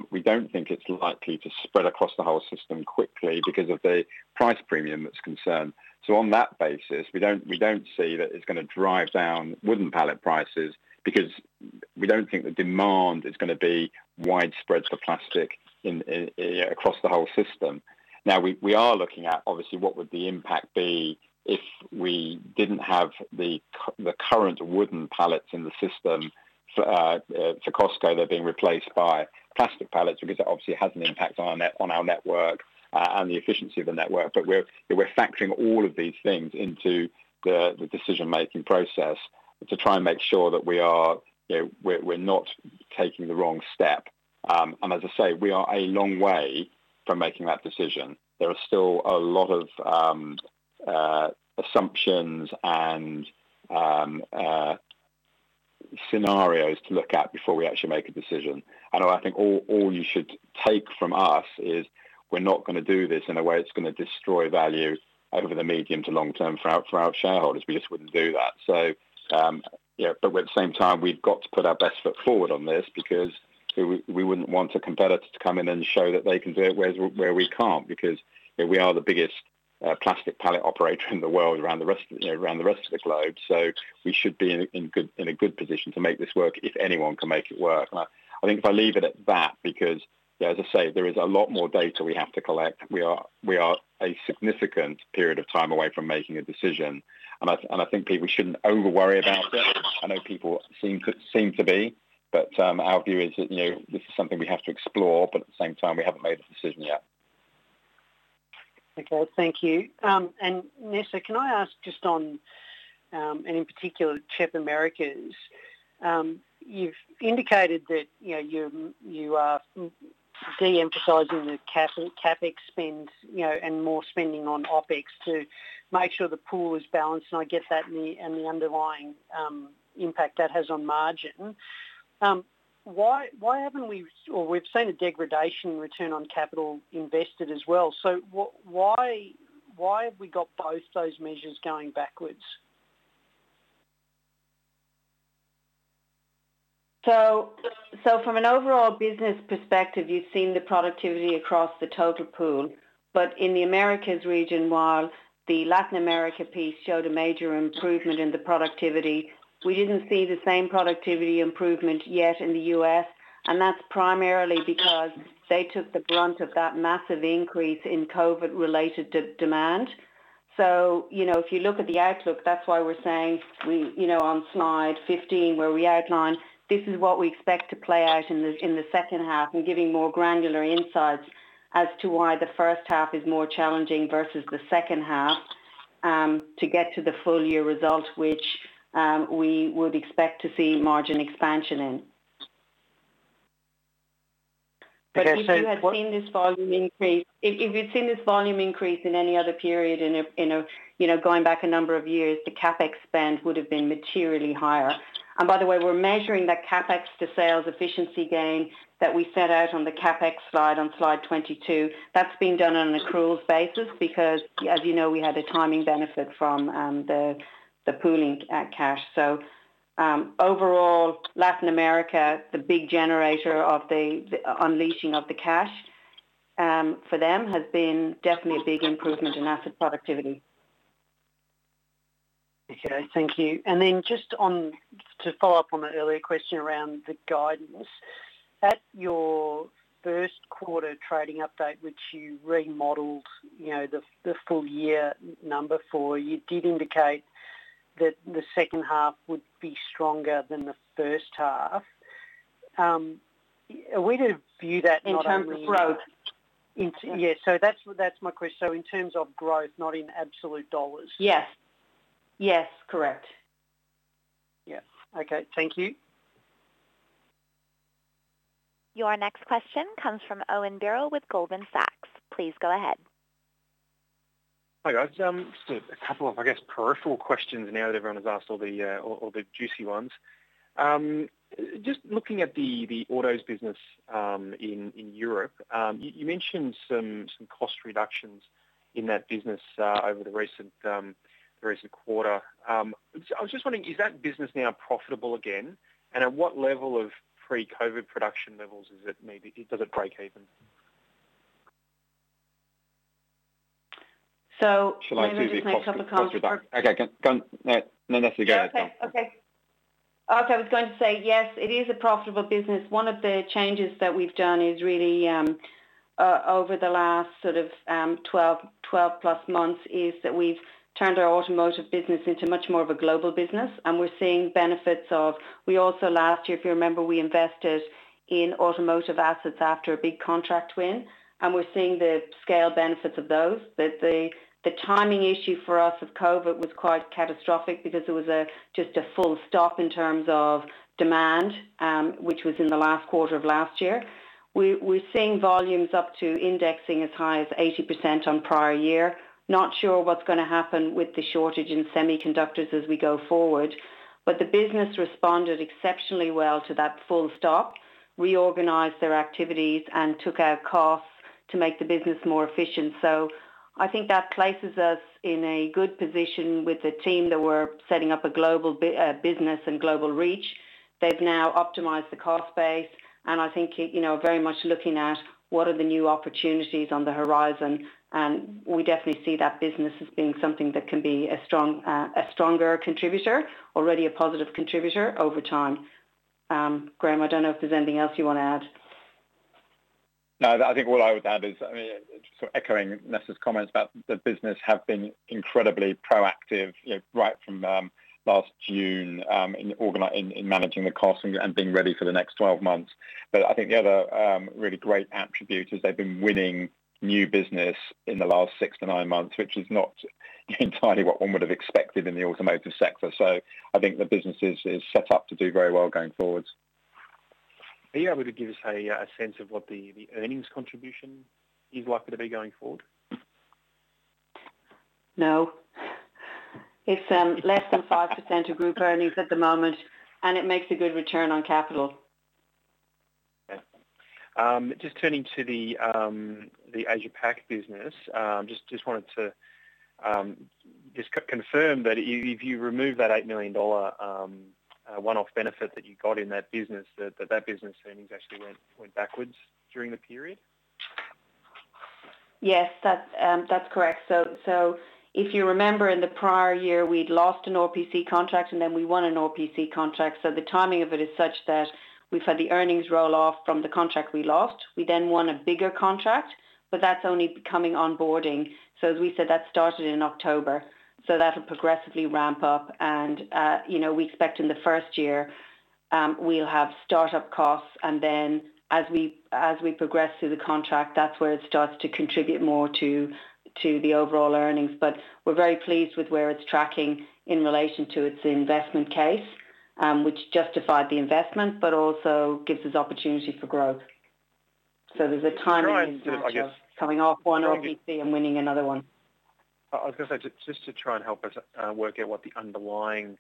we don't think it's likely to spread across the whole system quickly because of the price premium that's concerned. On that basis, we don't see that it's going to drive down wooden pallet prices because we don't think the demand is going to be widespread for plastic across the whole system. We are looking at, obviously, what would the impact be if we didn't have the current wooden pallets in the system for Costco, they're being replaced by plastic pallets because that obviously has an impact on our network and the efficiency of the network. We're factoring all of these things into the decision-making process to try and make sure that we're not taking the wrong step. As I say, we are a long way from making that decision. There are still a lot of assumptions and scenarios to look at before we actually make a decision. I think all you should take from us is we're not going to do this in a way that's going to destroy value over the medium to long term for our shareholders. We just wouldn't do that. At the same time, we've got to put our best foot forward on this because we wouldn't want a competitor to come in and show that they can do it where we can't, because we are the biggest plastic pallet operator in the world around the rest of the globe. We should be in a good position to make this work if anyone can make it work. I think if I leave it at that, because, as I say, there is a lot more data we have to collect. We are a significant period of time away from making a decision, and I think people shouldn't over-worry about it. I know people seem to be, but our view is that this is something we have to explore, but at the same time, we haven't made a decision yet. Okay. Thank you. Nessa, can I ask just on, and in particular, CHEP Americas? You've indicated that you are de-emphasizing the CapEx spend and more spending on OpEx to make sure the pool is balanced, and I get that and the underlying impact that has on margin. We've seen a degradation in return on capital invested as well. Why have we got both those measures going backwards? From an overall business perspective, you've seen the productivity across the total pool. In the Americas region, while the Latin America piece showed a major improvement in the productivity, we didn't see the same productivity improvement yet in the U.S., and that's primarily because they took the brunt of that massive increase in COVID-related demand. If you look at the outlook, that's why we're saying on slide 15, where we outline this is what we expect to play out in the second half and giving more granular insights as to why the first half is more challenging versus the second half to get to the full-year result, which we would expect to see margin expansion in. Okay, so what? If you had seen this volume increase in any other period in going back a number of years, the CapEx spend would've been materially higher. By the way, we're measuring that CapEx to sales efficiency gain that we set out on the CapEx slide on slide 22. That's being done on an accruals basis because, as you know, we had a timing benefit from the pooling cash. Overall, Latin America, the big generator of the unleashing of the cash for them has been definitely a big improvement in asset productivity. Okay, thank you. Just to follow up on an earlier question around the guidance. At your first quarter trading update, which you remodeled the full-year number for, you did indicate that the second half would be stronger than the first half. Are we to view that not only in? In terms of growth. Yeah. That's my question. In terms of growth, not in absolute dollars. Yes. Correct. Yeah. Okay. Thank you. Your next question comes from Owen Birrell with Goldman Sachs. Please go ahead. Hi, guys. Just a couple of, I guess, peripheral questions now that everyone has asked all the juicy ones. Just looking at the autos business in Europe. You mentioned some cost reductions in that business over the recent quarter. I was just wondering, is that business now profitable again? At what level of pre-COVID production levels does it break even? Let me just make a couple of comments. Shall I do the cost reduction? Okay, go. No, Nessa, go. Okay. I was going to say, yes, it is a profitable business. One of the changes that we've done is really over the last 12+ months is that we've turned our automotive business into much more of a global business, and we're seeing benefits of. We also, last year, if you remember, we invested in automotive assets after a big contract win, and we're seeing the scale benefits of those. The timing issue for us of COVID was quite catastrophic because it was just a full stop in terms of demand, which was in the last quarter of last year. We're seeing volumes up to indexing as high as 80% on prior year. Not sure what's going to happen with the shortage in semiconductors as we go forward. The business responded exceptionally well to that, reorganized their activities and took out costs to make the business more efficient. I think that places us in a good position with the team that we're setting up a global business and global reach. They've now optimized the cost base, and I think very much looking at what are the new opportunities on the horizon, and we definitely see that business as being something that can be a stronger contributor, already a positive contributor over time. Graham, I don't know if there's anything else you want to add. No. I think what I would add is, just echoing Nessa's comments about the business have been incredibly proactive right from last June in managing the costs and being ready for the next 12 months. I think the other really great attribute is they've been winning new business in the last six to nine months, which is not entirely what one would have expected in the automotive sector. I think the business is set up to do very well going forward. Are you able to give us a sense of what the earnings contribution is likely to be going forward? No. It's less than 5% of group earnings at the moment, and it makes a good return on capital. Okay. Just turning to the Asia Pac business, just wanted to confirm that if you remove that $8 million one-off benefit that you got in that business, that that business' earnings actually went backwards during the period? Yes. That's correct. If you remember in the prior year, we'd lost an RPC contract, and then we won an RPC contract. The timing of it is such that we've had the earnings roll off from the contract we lost. We then won a bigger contract, but that's only becoming onboarding. As we said, that started in October, so that'll progressively ramp up. We expect in the first year, we'll have startup costs and then as we progress through the contract, that's where it starts to contribute more to the overall earnings. We're very pleased with where it's tracking in relation to its investment case, which justified the investment, but also gives us opportunity for growth. There's a timing issue. To try and, I guess. Coming off one RPC and winning another one. I was going to say, just to try and help us work out what the underlying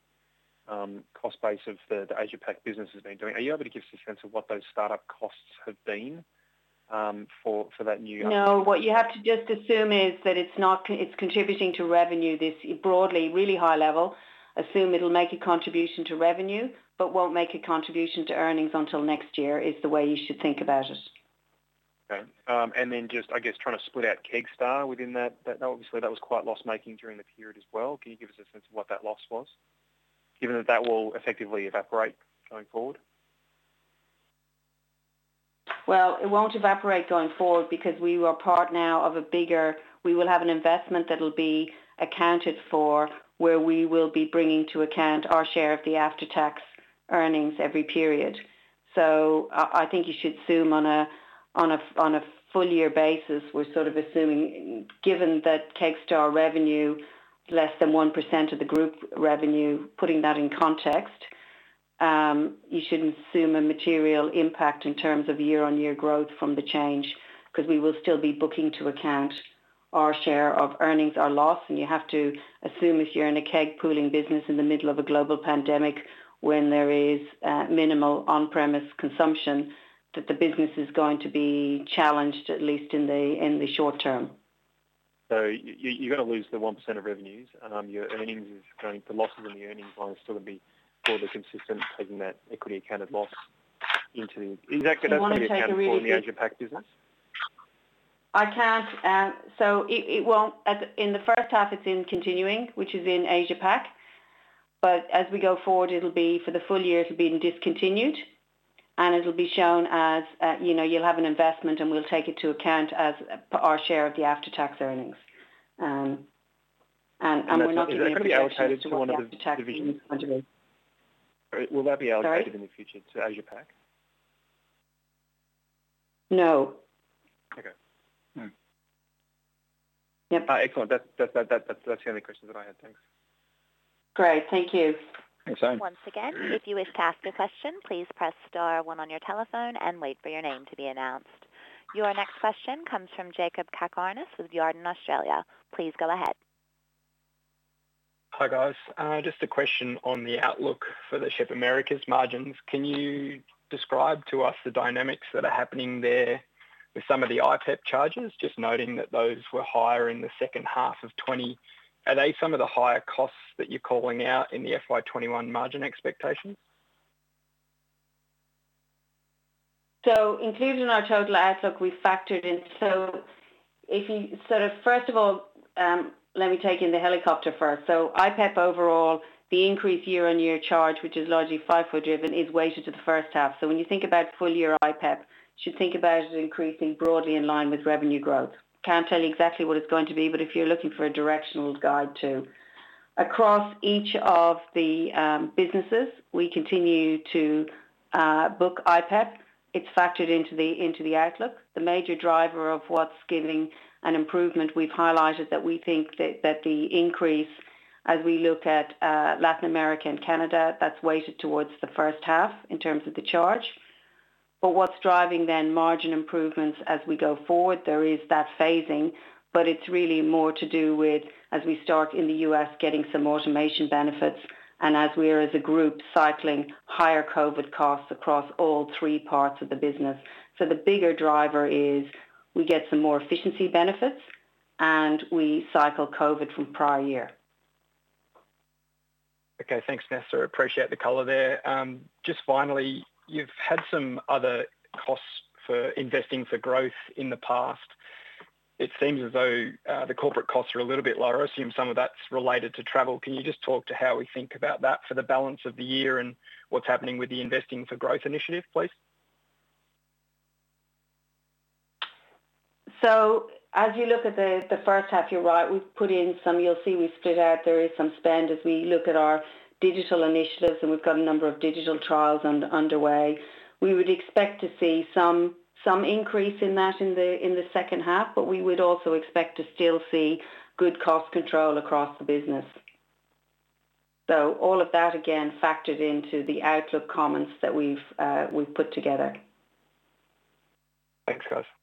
cost base of the Asia Pac business has been doing. Are you able to give us a sense of what those startup costs have been for that new- What you have to just assume is that it's contributing to revenue this, broadly, really high level. Assume it'll make a contribution to revenue, but won't make a contribution to earnings until next year, is the way you should think about it. Okay. Just, I guess, trying to split out Kegstar within that, obviously that was quite loss-making during the period as well. Can you give us a sense of what that loss was, given that that will effectively evaporate going forward? Well, it won't evaporate going forward because we will have an investment that'll be accounted for, where we will be bringing to account our share of the after-tax earnings every period. I think you should assume on a full year basis, we're sort of assuming, given that Kegstar revenue is less than 1% of the group revenue, putting that in context, you should assume a material impact in terms of year-on-year growth from the change, because we will still be booking to account our share of earnings or loss. You have to assume if you're in a keg pooling business in the middle of a global pandemic, when there is minimal on-premise consumption, that the business is going to be challenged, at least in the short term. You're going to lose the 1% of revenues, and the losses in the earnings are still going to be broadly consistent. If you want to take a really. Be accounted for in the Asia Pac business? I can't. In the first half, it's in continuing, which is in Asia Pac. As we go forward, it'll be for the full year, it'll be in discontinued. It'll be shown as you'll have an investment and we'll take it to account as our share of the after-tax earnings. Is that going to be allocated to one of the divisions? The after-tax earnings anyway. Will that be allocated? Sorry? In the future to Asia Pac? No. Okay. Yep. Excellent. That's the only questions that I had. Thanks. Great. Thank you. Thanks. Once again, if you wish to ask a question, please press star one on your telephone and wait for your name to be announced. Your next question comes from Jakob Cakarnis with Jarden Australia. Please go ahead. Hi, guys. Just a question on the outlook for the CHEP Americas margins. Can you describe to us the dynamics that are happening there with some of the IPEP charges? Just noting that those were higher in the second half of 2020. Are they some of the higher costs that you're calling out in the FY 2021 margin expectations? Included in our total outlook, first of all, let me take in the helicopter first. IPEP overall, the increase year-on-year charge, which is largely FIFO driven, is weighted to the first half. When you think about full-year IPEP, you should think about it as increasing broadly in line with revenue growth. Can't tell you exactly what it's going to be, but if you're looking for a directional guide too. Across each of the businesses, we continue to book IPEP. It's factored into the outlook. The major driver of what's giving an improvement, we've highlighted that we think that the increase as we look at Latin America and Canada, that's weighted towards the first half in terms of the charge. What's driving then margin improvements as we go forward, there is that phasing. It's really more to do with as we start in the U.S. getting some automation benefits, and as we are as a group cycling higher COVID costs across all three parts of the business. The bigger driver is we get some more efficiency benefits, and we cycle COVID from prior year. Okay. Thanks, Nessa. Appreciate the color there. Finally, you've had some other costs for investing for growth in the past. It seems as though the corporate costs are a little bit lower. I assume some of that's related to travel. Can you just talk to how we think about that for the balance of the year and what's happening with the investing for growth initiative, please? As you look at the first half, you're right. We've put in some, you'll see we've split out, there is some spend as we look at our digital initiatives, and we've got a number of digital trials underway. We would expect to see some increase in that in the second half. We would also expect to still see good cost control across the business. All of that, again, factored into the outlook comments that we've put together. Thanks, guys.